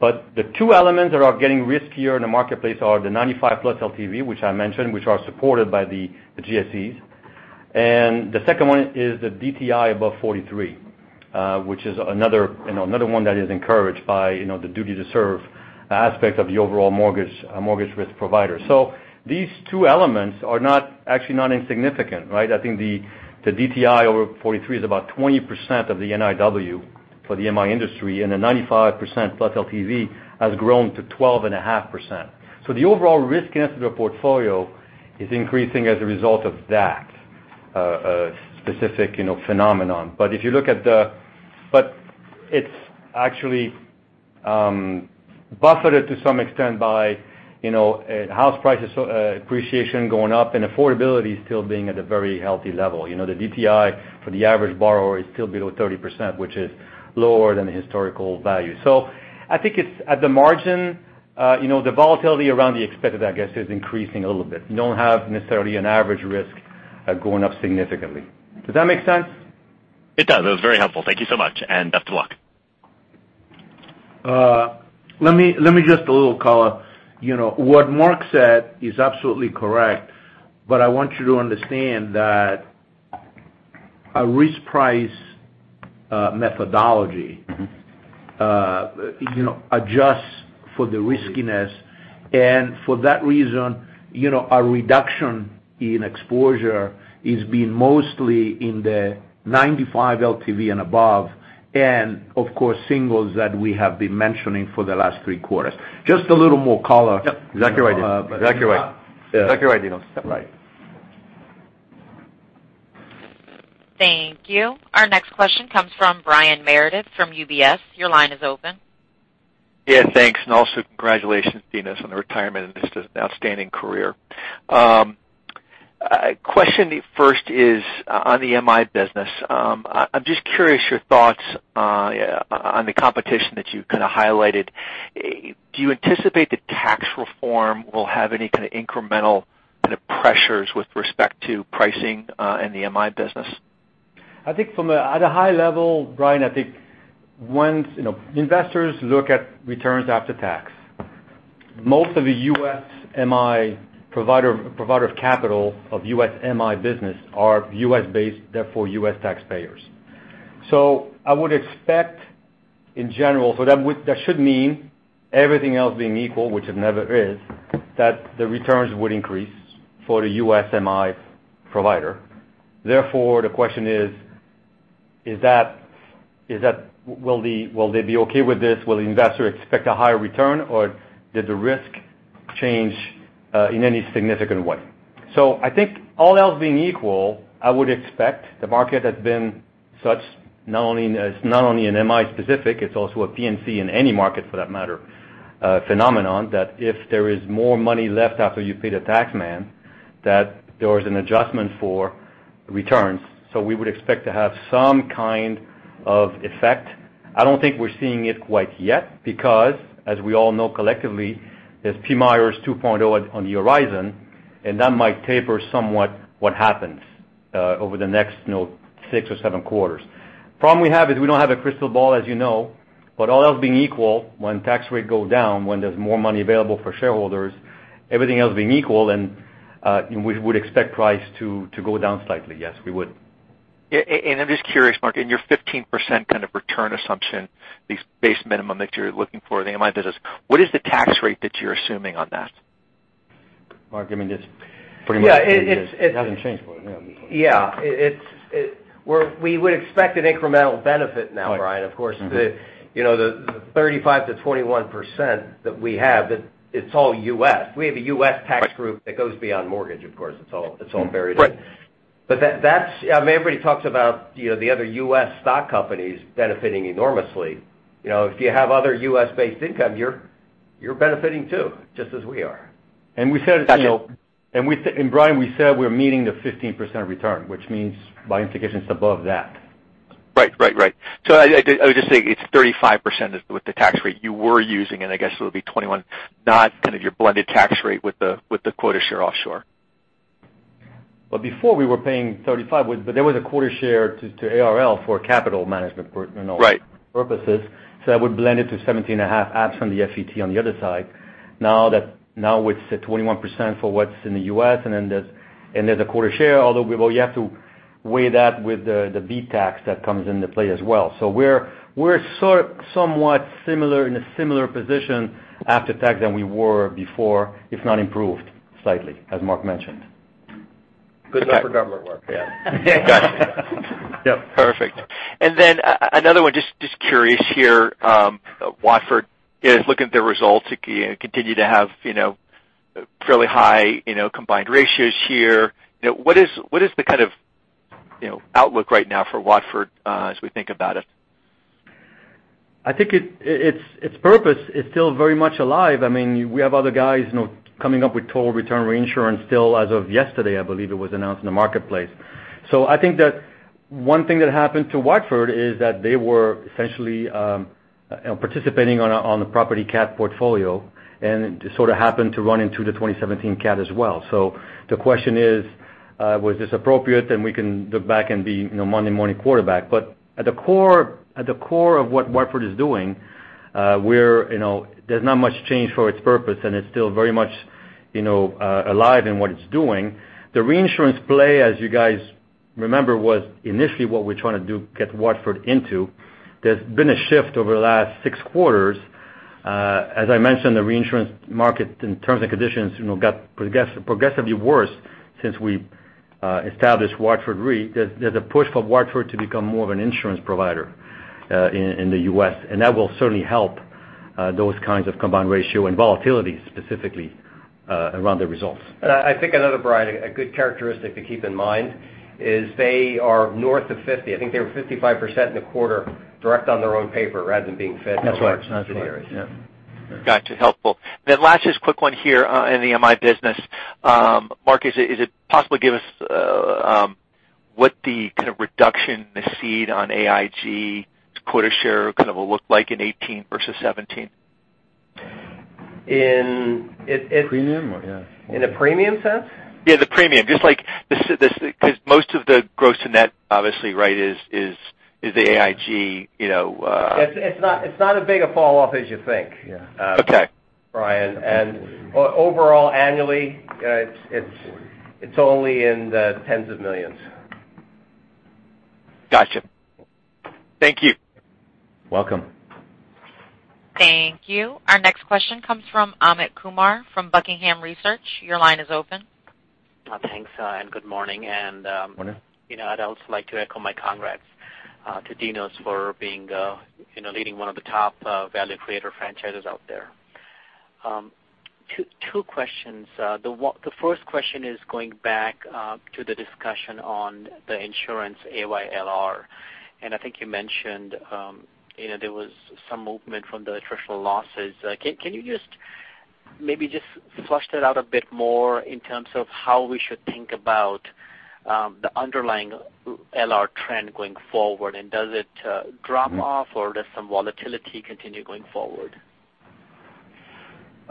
The two elements that are getting riskier in the marketplace are the 95-plus LTV, which I mentioned, which are supported by the GSEs, and the second one is the DTI above 43, which is another one that is encouraged by the duty to serve aspect of the overall mortgage risk provider. These two elements are actually not insignificant, right? I think the DTI over 43 is about 20% of the NIW for the MI industry, and the 95% plus LTV has grown to 12.5%. The overall riskiness of the portfolio is increasing as a result of that specific phenomenon. It's actually buffered, to some extent, by house prices appreciation going up and affordability still being at a very healthy level. The DTI for the average borrower is still below 30%, which is lower than the historical value. I think at the margin, the volatility around the expected, I guess, is increasing a little bit. You don't have necessarily an average risk going up significantly. Does that make sense? It does. It was very helpful. Thank you so much, and best of luck. Let me just a little color. What Mark said is absolutely correct, but I want you to understand that a risk price methodology adjusts for the riskiness. For that reason, a reduction in exposure is being mostly in the 95 LTV and above, and of course, singles that we have been mentioning for the last three quarters. Just a little more color. Yep, exactly right. Exactly right. Exactly right, Dinos. Right. Thank you. Our next question comes from Brian Meredith from UBS. Your line is open. Yeah, thanks. Also congratulations, Dinos, on the retirement. This is an outstanding career. Question first is on the MI business. I'm just curious your thoughts on the competition that you kind of highlighted. Do you anticipate that tax reform will have any kind of incremental kind of pressures with respect to pricing in the MI business? I think at a high level, Brian, I think investors look at returns after tax. Most of the U.S. MI provider of capital of U.S. MI business are U.S.-based, therefore U.S. taxpayers. I would expect in general, that should mean everything else being equal, which it never is, that the returns would increase for the U.S. MI provider. Therefore, the question is, will they be okay with this? Will the investor expect a higher return, or did the risk change in any significant way? I think all else being equal, I would expect the market has been such, not only in MI specific, it's also a P&C in any market for that matter, phenomenon that if there is more money left after you pay the tax man, that there is an adjustment for returns. We would expect to have some kind of effect. I don't think we're seeing it quite yet because, as we all know collectively, there's PMIERs 2.0 on the horizon, and that might taper somewhat what happens over the next six or seven quarters. Problem we have is we don't have a crystal ball, as you know, but all else being equal, when tax rate go down, when there's more money available for shareholders, everything else being equal, then we would expect price to go down slightly. Yes, we would. I'm just curious, Mark, in your 15% kind of return assumption, the base minimum that you're looking for in the MI business, what is the tax rate that you're assuming on that? Mark, I mean, it's pretty much. Yeah. It hasn't changed for them, you know. Yeah. We would expect an incremental benefit now, Brian. Right. The 35%-21% that we have, it's all U.S. We have a U.S. tax group that goes beyond mortgage, of course. It's all buried in. Right. Everybody talks about the other U.S. stock companies benefiting enormously. If you have other U.S.-based income, you're benefiting, too, just as we are. Brian, we said we're meeting the 15% return, which means by implication, it's above that. Right. I would just say it's 35% with the tax rate you were using, and I guess it'll be 21%, not kind of your blended tax rate with the quota share offshore. Well, before we were paying 35%, there was a quota share to ARL for capital management. Right purposes. That would blend it to 17.5% adds from the FET on the other side. Now it's at 21% for what's in the U.S., there's a quota share, although you have to weigh that with the B tax that comes into play as well. We're somewhat in a similar position after tax than we were before, if not improved slightly, as Mark mentioned. Good summer number work, yeah. Got it. Yep. Perfect. Another one, just curious here. Watford is looking at their results, continue to have fairly high combined ratios here. What is the kind of outlook right now for Watford as we think about it? I think its purpose is still very much alive. We have other guys coming up with total return reinsurance still as of yesterday, I believe it was announced in the marketplace. I think that one thing that happened to Watford is that they were essentially participating on the property cat portfolio, and it sort of happened to run into the 2017 cat as well. The question is, was this appropriate? We can look back and be Monday morning quarterback. At the core of what Watford is doing, there's not much change for its purpose, and it's still very much alive in what it's doing. The reinsurance play, as you guys remember, was initially what we're trying to do, get Watford into. There's been a shift over the last six quarters. As I mentioned, the reinsurance market in terms and conditions got progressively worse since we established Watford Re. There's a push for Watford to become more of an insurance provider in the U.S., and that will certainly help those kinds of combined ratio and volatility specifically around the results. I think another, Brian, a good characteristic to keep in mind is they are north of 50%. I think they were 55% in the quarter direct on their own paper rather than being fed into the areas. That's right. Got you. Helpful. Last, just quick one here in the MI business. Marc, is it possible to give us what the kind of reduction in the cede on AIG's quota share kind of will look like in 2018 versus 2017? In- Premium or yeah. In a premium sense? Yeah, the premium. Most of the gross to net obviously, right, is the AIG. It's not as big a fall-off as you think. Okay. Brian. Overall, annually, it's only in the $tens of millions. Got you. Thank you. Welcome. Thank you. Our next question comes from Amit Kumar from Buckingham Research. Your line is open. Thanks, good morning. Morning. I'd also like to echo my congrats to Dinos for leading one of the top value creator franchises out there. Two questions. The first question is going back to the discussion on the insurance AYLR, and I think you mentioned there was some movement from the attritional losses. Can you just maybe just flush that out a bit more in terms of how we should think about the underlying LR trend going forward, and does it drop off or does some volatility continue going forward?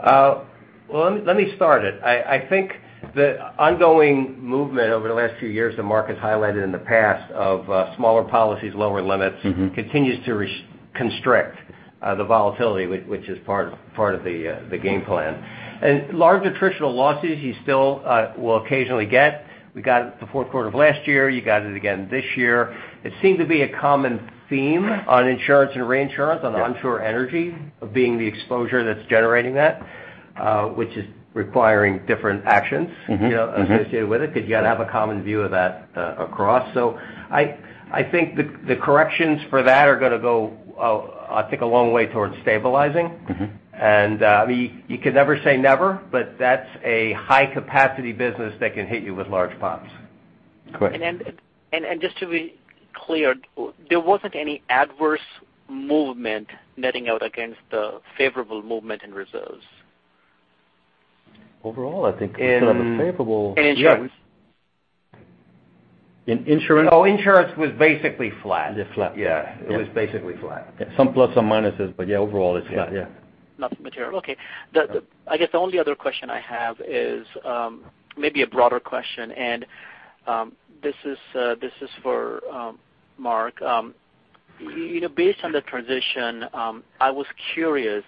Well, let me start it. I think the ongoing movement over the last few years that Mark has highlighted in the past of smaller policies, lower limits, continues to constrict the volatility, which is part of the game plan. Large attritional losses, you still will occasionally get. We got it the fourth quarter of last year. You got it again this year. It seemed to be a common theme on insurance and reinsurance on onshore energy being the exposure that's generating that, which is requiring different actions associated with it, because you got to have a common view of that across. I think the corrections for that are going to go, I think, a long way towards stabilizing. You can never say never, but that's a high capacity business that can hit you with large pops. Correct. Just to be clear, there wasn't any adverse movement netting out against the favorable movement in reserves? Overall, I think we still have a favorable- In insurance. In insurance? Oh, insurance was basically flat. Yeah, flat. Yeah. It was basically flat. Some plus, some minuses, but yeah, overall it's flat. Yeah. Nothing material. Okay. I guess the only other question I have is maybe a broader question. This is for Marc. Based on the transition, I was curious,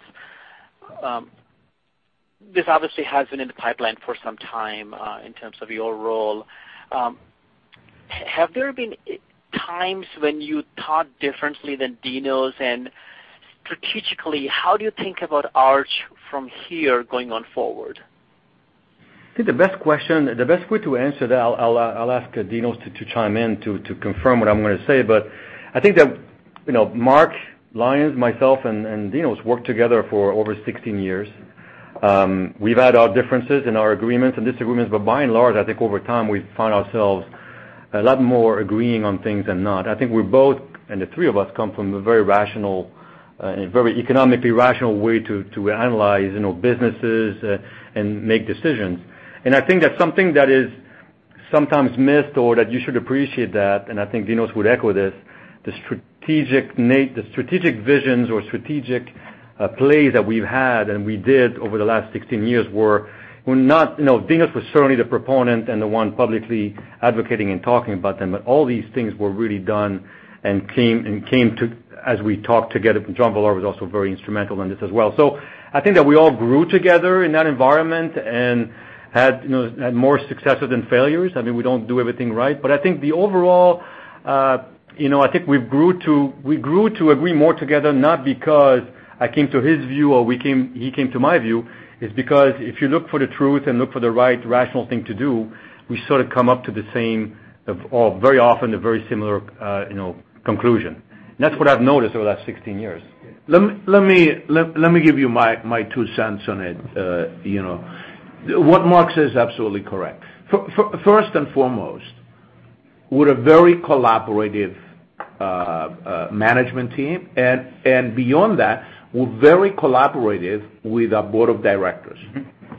this obviously has been in the pipeline for some time in terms of your role. Have there been times when you thought differently than Dinos? Strategically, how do you think about Arch from here going on forward? I think the best way to answer that, I'll ask Dinos to chime in to confirm what I'm going to say, but I think that Mark Lyons, myself and Dinos worked together for over 16 years. We've had our differences and our agreements and disagreements, but by and large, I think over time, we found ourselves a lot more agreeing on things than not. I think we both. The three of us come from a very economically rational way to analyze businesses and make decisions. I think that's something that is sometimes missed or that you should appreciate that, I think Dinos would echo this, the strategic visions or strategic plays that we've had and we did over the last 16 years, were not Dinos was certainly the proponent and the one publicly advocating and talking about them, but all these things were really done and came to as we talked together, John Vollaro was also very instrumental in this as well. I think that we all grew together in that environment and had more successes than failures. I mean, we don't do everything right. I think the overall, I think we grew to agree more together, not because I came to his view or he came to my view, it's because if you look for the truth and look for the right rational thing to do, we sort of come up to the same or very often, a very similar conclusion. That's what I've noticed over the last 16 years. Let me give you my two cents on it. What Marc says is absolutely correct. First and foremost, we're a very collaborative management team, and beyond that, we're very collaborative with our board of directors.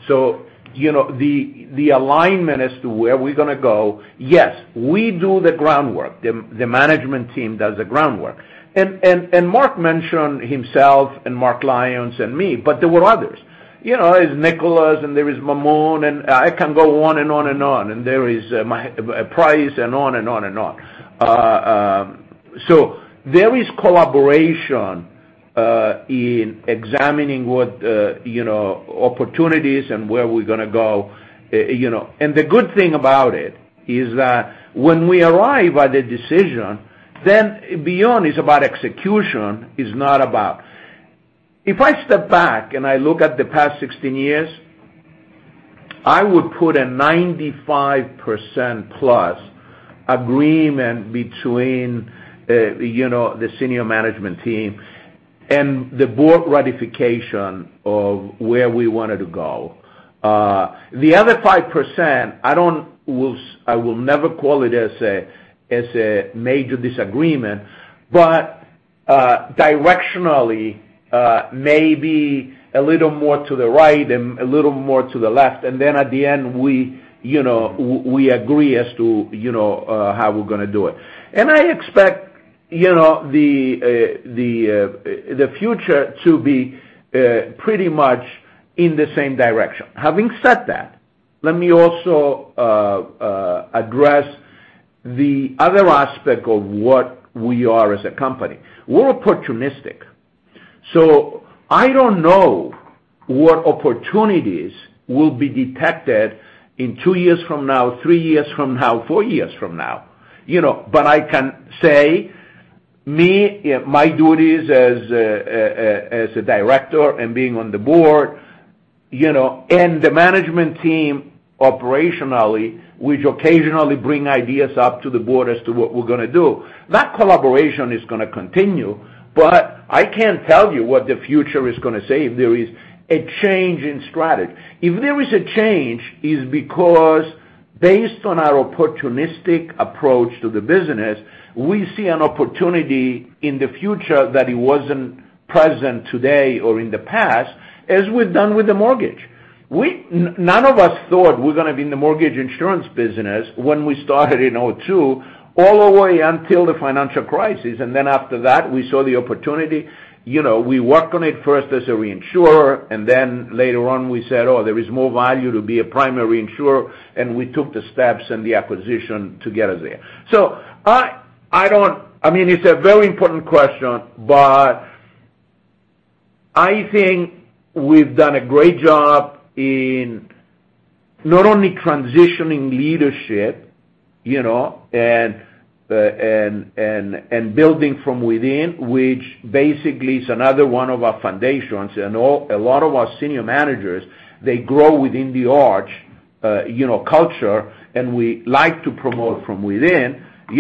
The alignment as to where we're going to go, yes, we do the groundwork. The management team does the groundwork. Marc mentioned himself and Mark Lyons and me, but there were others. There's Nicolas and there is Maamoun, and I can go on and on. There is Price, and on and on. There is collaboration in examining what opportunities and where we're going to go. The good thing about it is that when we arrive at the decision, then beyond it's about execution, it's not about-- If I step back and I look at the past 16 years, I would put a 95% plus agreement between the senior management team and the board ratification of where we wanted to go. The other 5%, I will never call it as a major disagreement, but directionally, maybe a little more to the right and a little more to the left, and then at the end we agree as to how we're going to do it. I expect the future to be pretty much in the same direction. Having said that, let me also address the other aspect of what we are as a company. We're opportunistic. I don't know what opportunities will be detected in two years from now, three years from now, four years from now. I can say, me, my duties as a director and being on the board, and the management team operationally, we occasionally bring ideas up to the board as to what we're going to do. That collaboration is going to continue, I can't tell you what the future is going to say if there is a change in strategy. If there is a change, it's because based on our opportunistic approach to the business, we see an opportunity in the future that it wasn't present today or in the past, as we've done with the mortgage. None of us thought we're going to be in the mortgage insurance business when we started in 2002, all the way until the financial crisis. After that, we saw the opportunity. We worked on it first as a reinsurer, later on we said, "Oh, there is more value to be a primary insurer," and we took the steps and the acquisition to get us there. I mean, it's a very important question, I think we've done a great job in not only transitioning leadership and building from within, which basically is another one of our foundations. A lot of our senior managers, they grow within the Arch culture, we like to promote from within, we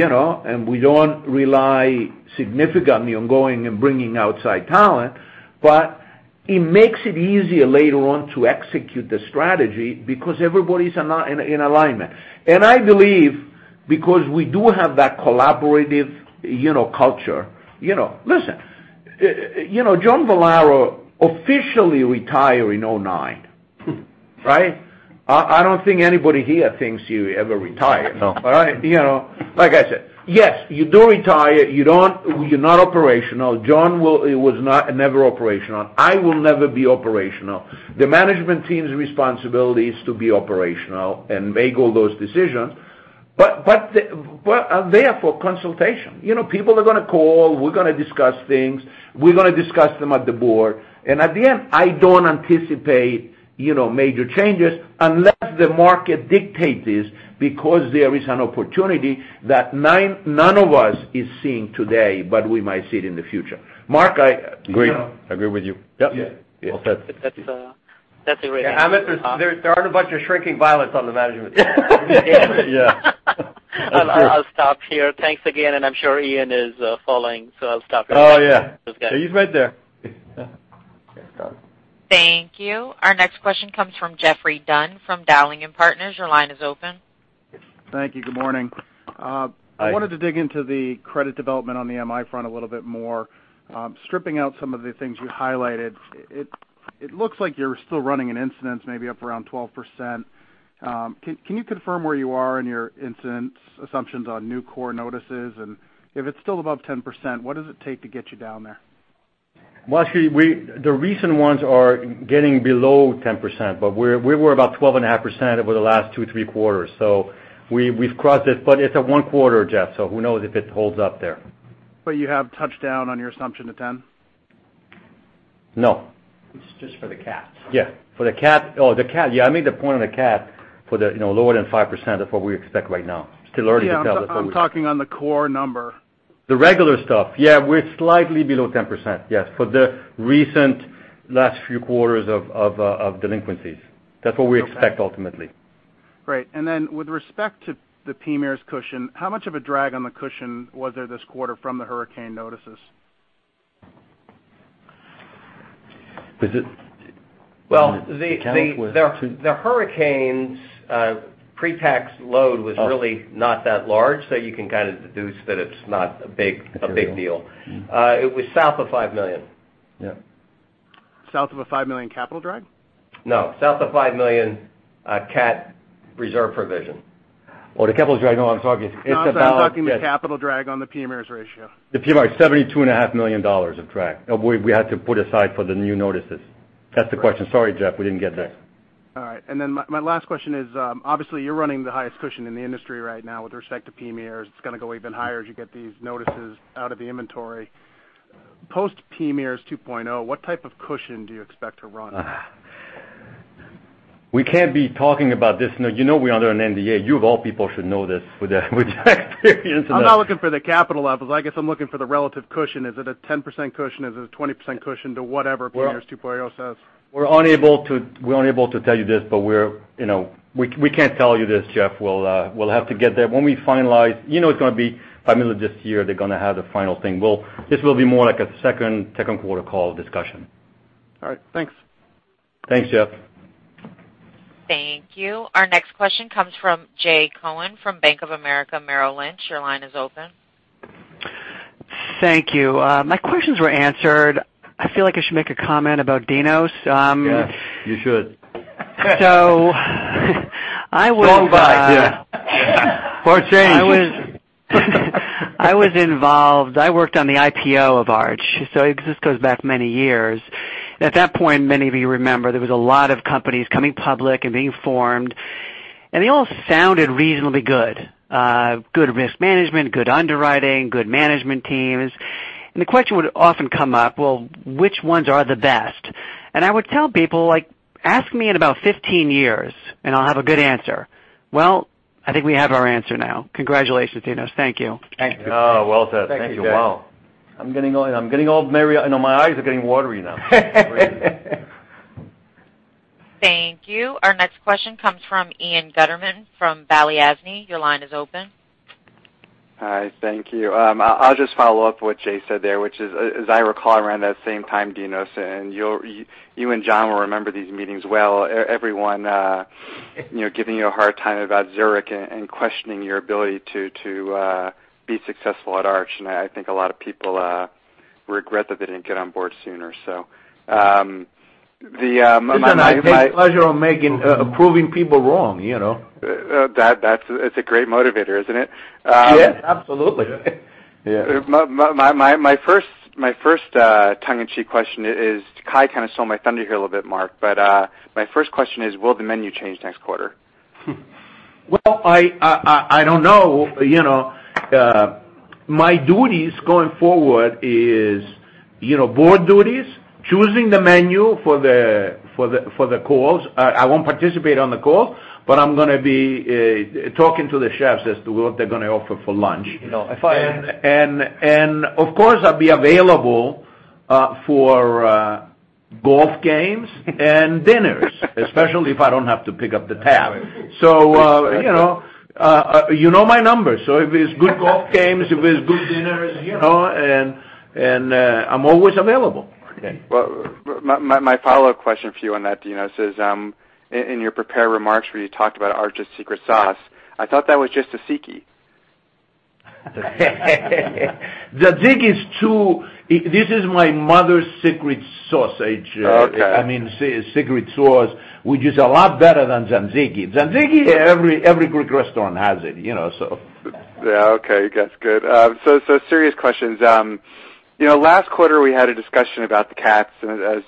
don't rely significantly on going and bringing outside talent. It makes it easier later on to execute the strategy because everybody's in alignment. I believe because we do have that collaborative culture. Listen, John Vallaro officially retired in 2009, right? I don't think anybody here thinks he ever retired. No. Right? Like I said, yes, you do retire, you're not operational. John was never operational. I will never be operational. The management team's responsibility is to be operational and make all those decisions, they are for consultation. People are going to call, we're going to discuss things, we're going to discuss them at the board. At the end, I don't anticipate major changes unless the market dictates this because there is an opportunity that none of us is seeing today, we might see it in the future. Mark. Agree with you. Yep. Yeah. Yes. That's it. That's a great answer. Amit, there aren't a bunch of shrinking violets on the management team. Yeah. I'll stop here. Thanks again, and I'm sure Ian is following, so I'll stop here. Oh, yeah. He's right there. Thank you. Our next question comes from Geoffrey Dunn from Dowling & Partners. Your line is open. Thank you. Good morning. Hi. I wanted to dig into the credit development on the MI front a little bit more. Stripping out some of the things you highlighted, it looks like you're still running an incidence maybe up around 12%. Can you confirm where you are in your incidence assumptions on new core notices? If it's still above 10%, what does it take to get you down there? Well, actually, the recent ones are getting below 10%, but we were about 12.5% over the last two, three quarters. We've crossed it, but it's a one quarter, Jeff, who knows if it holds up there. You have touched down on your assumption to 10%? No. It's just for the CATs. The CAT. I made the point on the CAT for the lower than 5%. That's what we expect right now. Still early to tell. I'm talking on the core number. The regular stuff. We're slightly below 10%. Yes. For the recent last few quarters of delinquencies. That's what we expect ultimately. Great. With respect to the PMIERs cushion, how much of a drag on the cushion was there this quarter from the hurricane notices? Was it? Well, the hurricane's pre-tax load was really not that large, you can kind of deduce that it's not a big deal. It was south of $5 million. Yeah. South of a $5 million capital drag? No, south of $5 million CAT reserve provision. Well, the capital drag, no, I'm talking it's the. No, I'm talking the capital drag on the PMIERs ratio. The PMI, $72.5 million of drag we had to put aside for the new notices. That's the question. Sorry, Geoffrey, we didn't get there. My last question is, obviously you're running the highest cushion in the industry right now with respect to PMIERs. It's going to go even higher as you get these notices out of the inventory. Post PMIERs 2.0, what type of cushion do you expect to run? We can't be talking about this. You know we're under an NDA. You of all people should know this with your experience in this. I'm not looking for the capital levels. I guess I'm looking for the relative cushion. Is it a 10% cushion? Is it a 20% cushion to whatever PMIERs 2.0 says? We're unable to tell you this, we can't tell you this, Jeffrey. We'll have to get there. When we finalize, you know it's going to be by middle of this year, they're going to have the final thing. This will be more like a second quarter call discussion. All right. Thanks. Thanks, Jeffrey. Thank you. Our next question comes from Jay Cohen from Bank of America Merrill Lynch. Your line is open. Thank you. My questions were answered. I feel like I should make a comment about Dinos. Yeah, you should. I was- I was involved. I worked on the IPO of Arch. This goes back many years. At that point, many of you remember, there was a lot of companies coming public and being formed, and they all sounded reasonably good. Good risk management, good underwriting, good management teams. The question would often come up, well, which ones are the best? I would tell people, like, "Ask me in about 15 years, and I'll have a good answer." Well, I think we have our answer now. Congratulations, Dinos. Thank you. Thank you. Oh, well said. Thank you. Wow. I'm getting all merry. I know my eyes are getting watery now. Thank you. Our next question comes from Ian Gutterman from Balyasny Asset Management. Your line is open. Hi. Thank you. I'll just follow up what Jay said there, which is, as I recall, around that same time, Dinos, and you and John will remember these meetings well, everyone giving you a hard time about Zurich and questioning your ability to be successful at Arch, and I think a lot of people regret that they didn't get on board sooner. Listen, I take pleasure on proving people wrong. That's a great motivator, isn't it? Yeah. Absolutely. Yeah. My first tongue in cheek question is, Kai kind of stole my thunder here a little bit, Mark, but my first question is, will the menu change next quarter? Well, I don't know. My duties going forward is board duties, choosing the menu for the calls. I won't participate on the call, but I'm going to be talking to the chefs as to what they're going to offer for lunch. You know, if I- Of course, I'll be available for golf games and dinners, especially if I don't have to pick up the tab. That's right. So- You know my number. If it's good golf games, if it's good dinners, and I'm always available. Okay. My follow-up question for you on that, Dinos, is in your prepared remarks where you talked about Arch's secret sauce, I thought that was just tzatziki. The tzatziki is true. This is my mother's secret sauce, which is a lot better than tzatziki. Tzatziki, every Greek restaurant has it. Yeah. Okay, that's good. Serious questions. As I'm sure you recall, last quarter, we had a discussion about the cats, about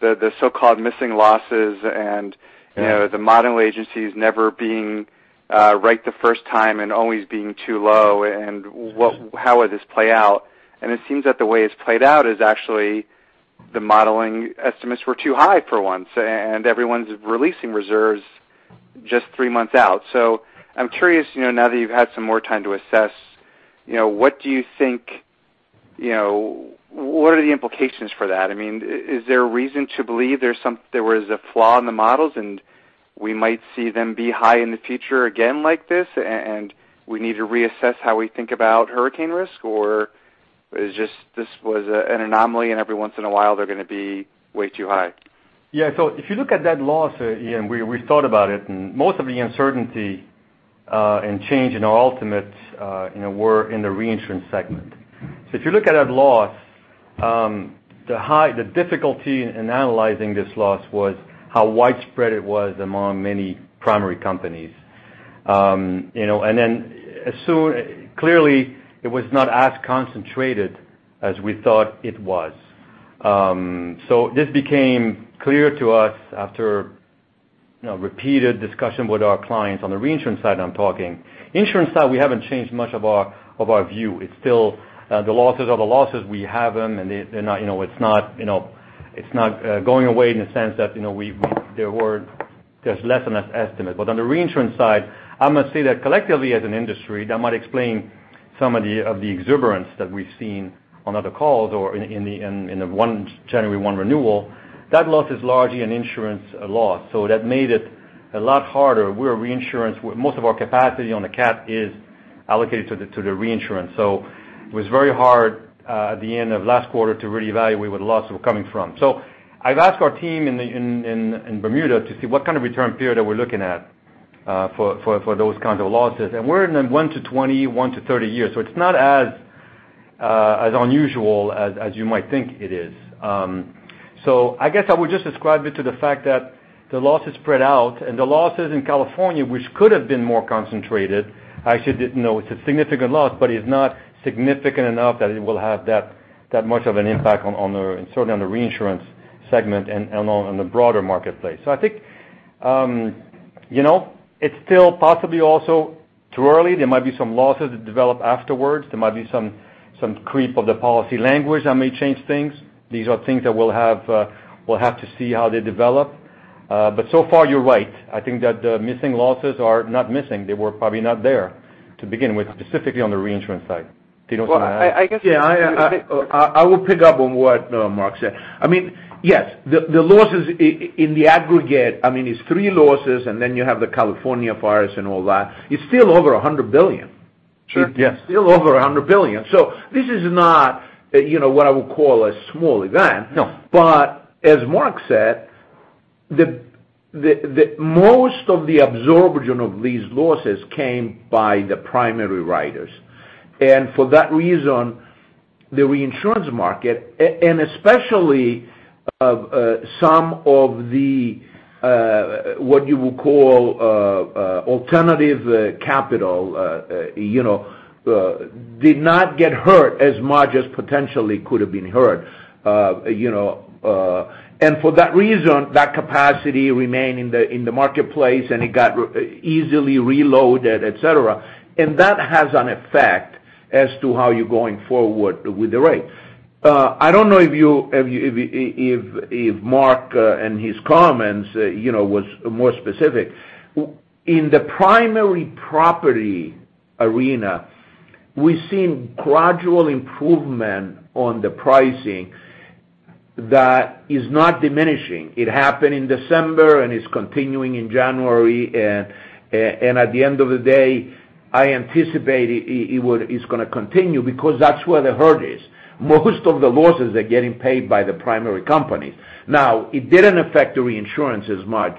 the so-called missing losses and the modeling agencies never being right the first time and always being too low, and how would this play out. It seems that the way it's played out is actually the modeling estimates were too high for once, and everyone's releasing reserves just three months out. I'm curious, now that you've had some more time to assess, what are the implications for that? Is there reason to believe there was a flaw in the models, and we might see them be high in the future again like this, and we need to reassess how we think about hurricane risk? Is it just this was an anomaly, and every once in a while, they're going to be way too high? Yeah. If you look at that loss, Ian, we thought about it. Most of the uncertainty and change in our ultimates were in the Reinsurance segment. If you look at that loss, the difficulty in analyzing this loss was how widespread it was among many primary companies. Clearly, it was not as concentrated as we thought it was. This became clear to us after repeated discussion with our clients on the Reinsurance side, I'm talking. Insurance side, we haven't changed much of our view. It's still the losses are the losses. We have them, and it's not going away in the sense that there's less in estimate. On the Reinsurance side, I'm going to say that collectively as an industry, that might explain some of the exuberance that we've seen on other calls or in the January one renewal. That loss is largely an insurance loss. That made it a lot harder. Most of our capacity on the cat is allocated to the Reinsurance. It was very hard at the end of last quarter to really evaluate where the losses were coming from. I've asked our team in Bermuda to see what kind of return period that we're looking at for those kinds of losses. We're in a one to 20, one to 30 years, so it's not as unusual as you might think it is. I guess I would just ascribe it to the fact that the losses spread out, and the losses in California, which could have been more concentrated, actually, it's a significant loss, but it's not significant enough that it will have that much of an impact certainly on the Reinsurance segment and on the broader marketplace. I think it's still possibly also too early. There might be some losses that develop afterwards. There might be some creep of the policy language that may change things. These are things that we'll have to see how they develop. So far, you're right. I think that the missing losses are not missing. They were probably not there to begin with, specifically on the Reinsurance side. Dinos, you want to add? I will pick up on what Marc said. Yes, the losses in the aggregate, it's three losses, and then you have the California fires and all that. It's still over $100 billion. Sure. Yes. It is still over $100 billion. This is not what I would call a small event. No. As Marc said, most of the absorption of these losses came by the primary writers. For that reason, the reinsurance market, and especially some of the, what you would call alternative capital did not get hurt as much as potentially could have been hurt. For that reason, that capacity remained in the marketplace, and it got easily reloaded, et cetera. That has an effect as to how you are going forward with the rate. I do not know if Marc in his comments was more specific. In the primary property arena, we have seen gradual improvement on the pricing that is not diminishing. It happened in December, and it is continuing in January, and at the end of the day, I anticipate it is going to continue because that is where the hurt is. Most of the losses are getting paid by the primary company. It did not affect the reinsurance as much,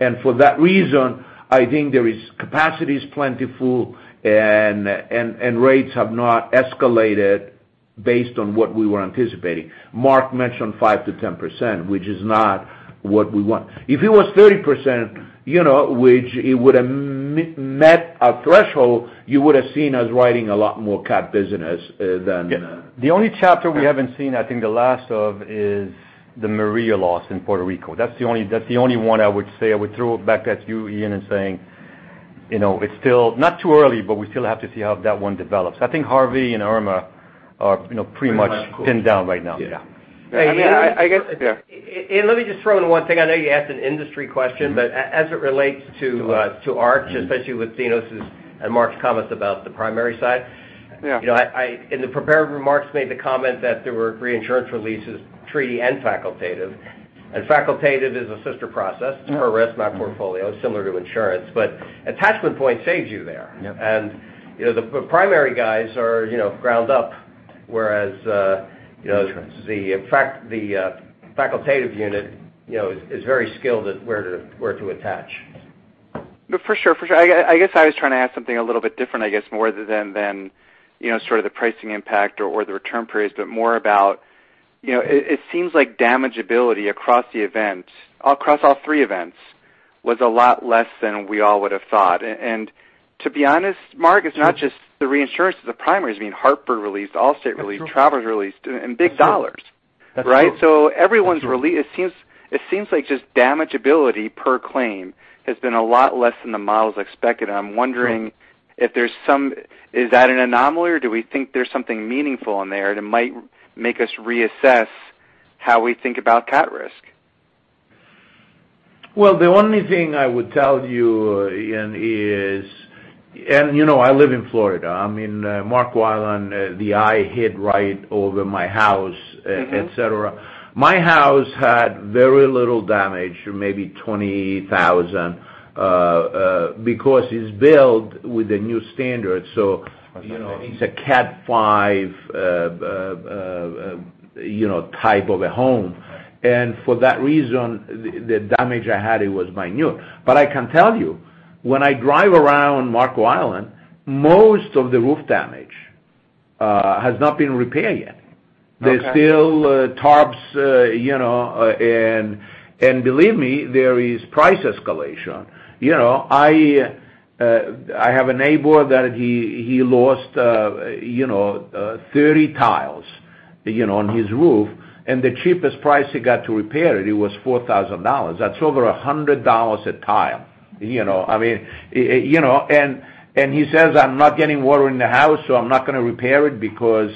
and for that reason, I think capacity is plentiful and rates have not escalated based on what we were anticipating. Marc mentioned 5%-10%, which is not what we want. If it was 30%, it would have met a threshold, you would have seen us writing a lot more cat business than The only chapter we have not seen, I think the last of, is the Maria loss in Puerto Rico. That is the only one I would say I would throw it back at you, Ian, in saying it is still not too early, but we still have to see how that one develops. I think Harvey and Irma are pretty much pinned down right now. Yeah. I guess- Ian, let me just throw in one thing. I know you asked an industry question, but as it relates to Arch, especially with Dinos's and Marc's comments about the primary side. Yeah. In the prepared remarks, made the comment that there were reinsurance releases, treaty and facultative. Facultative is a sister process. It's a risk map portfolio, similar to insurance. Attachment point saves you there. Yep. The primary guys are ground up, whereas Interesting the facultative unit is very skilled at where to attach. No, for sure. I guess I was trying to ask something a little bit different, I guess, more than sort of the pricing impact or the return periods, but more about, it seems like damageability across the event, across all three events, was a lot less than we all would've thought. To be honest, Marc, it's not just the reinsurance, it's the primaries. I mean, The Hartford released, Allstate released, Travelers released, and big dollars. That's true. Right? Everyone's release, it seems like just damageability per claim has been a lot less than the models expected. I'm wondering if there's some Is that an anomaly or do we think there's something meaningful in there that might make us reassess how we think about cat risk? The only thing I would tell you, Ian, is, you know, I live in Florida. I mean, Marco Island, the eye hit right over my house, et cetera. My house had very little damage, maybe $20,000, because it's built with the new standards. Okay It's a Category 5 type of a home. For that reason, the damage I had, it was minute. I can tell you, when I drive around Marco Island, most of the roof damage has not been repaired yet. Okay. There's still tarps, believe me, there is price escalation. I have a neighbor that he lost 30 tiles on his roof, the cheapest price he got to repair it was $4,000. That's over $100 a tile. He says, "I'm not getting water in the house, so I'm not going to repair it because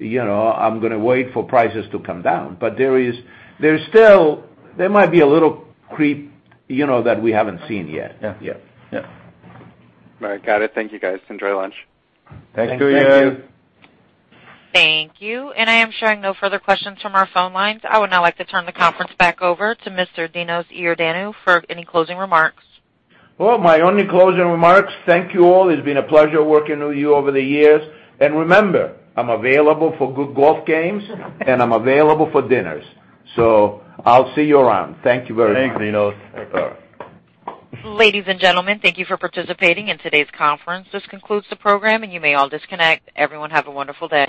I'm going to wait for prices to come down." There might be a little creep that we haven't seen yet. Yeah. Yeah. Yeah. All right, got it. Thank you, guys. Enjoy lunch. Thank you. Thank you. Thank you. I am showing no further questions from our phone lines. I would now like to turn the conference back over to Mr. Constantine Iordanou for any closing remarks. My only closing remarks, thank you all. It's been a pleasure working with you over the years. Remember, I'm available for good golf games, and I'm available for dinners. I'll see you around. Thank you very much. Thanks, Dinos. All right. Ladies and gentlemen, thank you for participating in today's conference. This concludes the program, and you may all disconnect. Everyone have a wonderful day.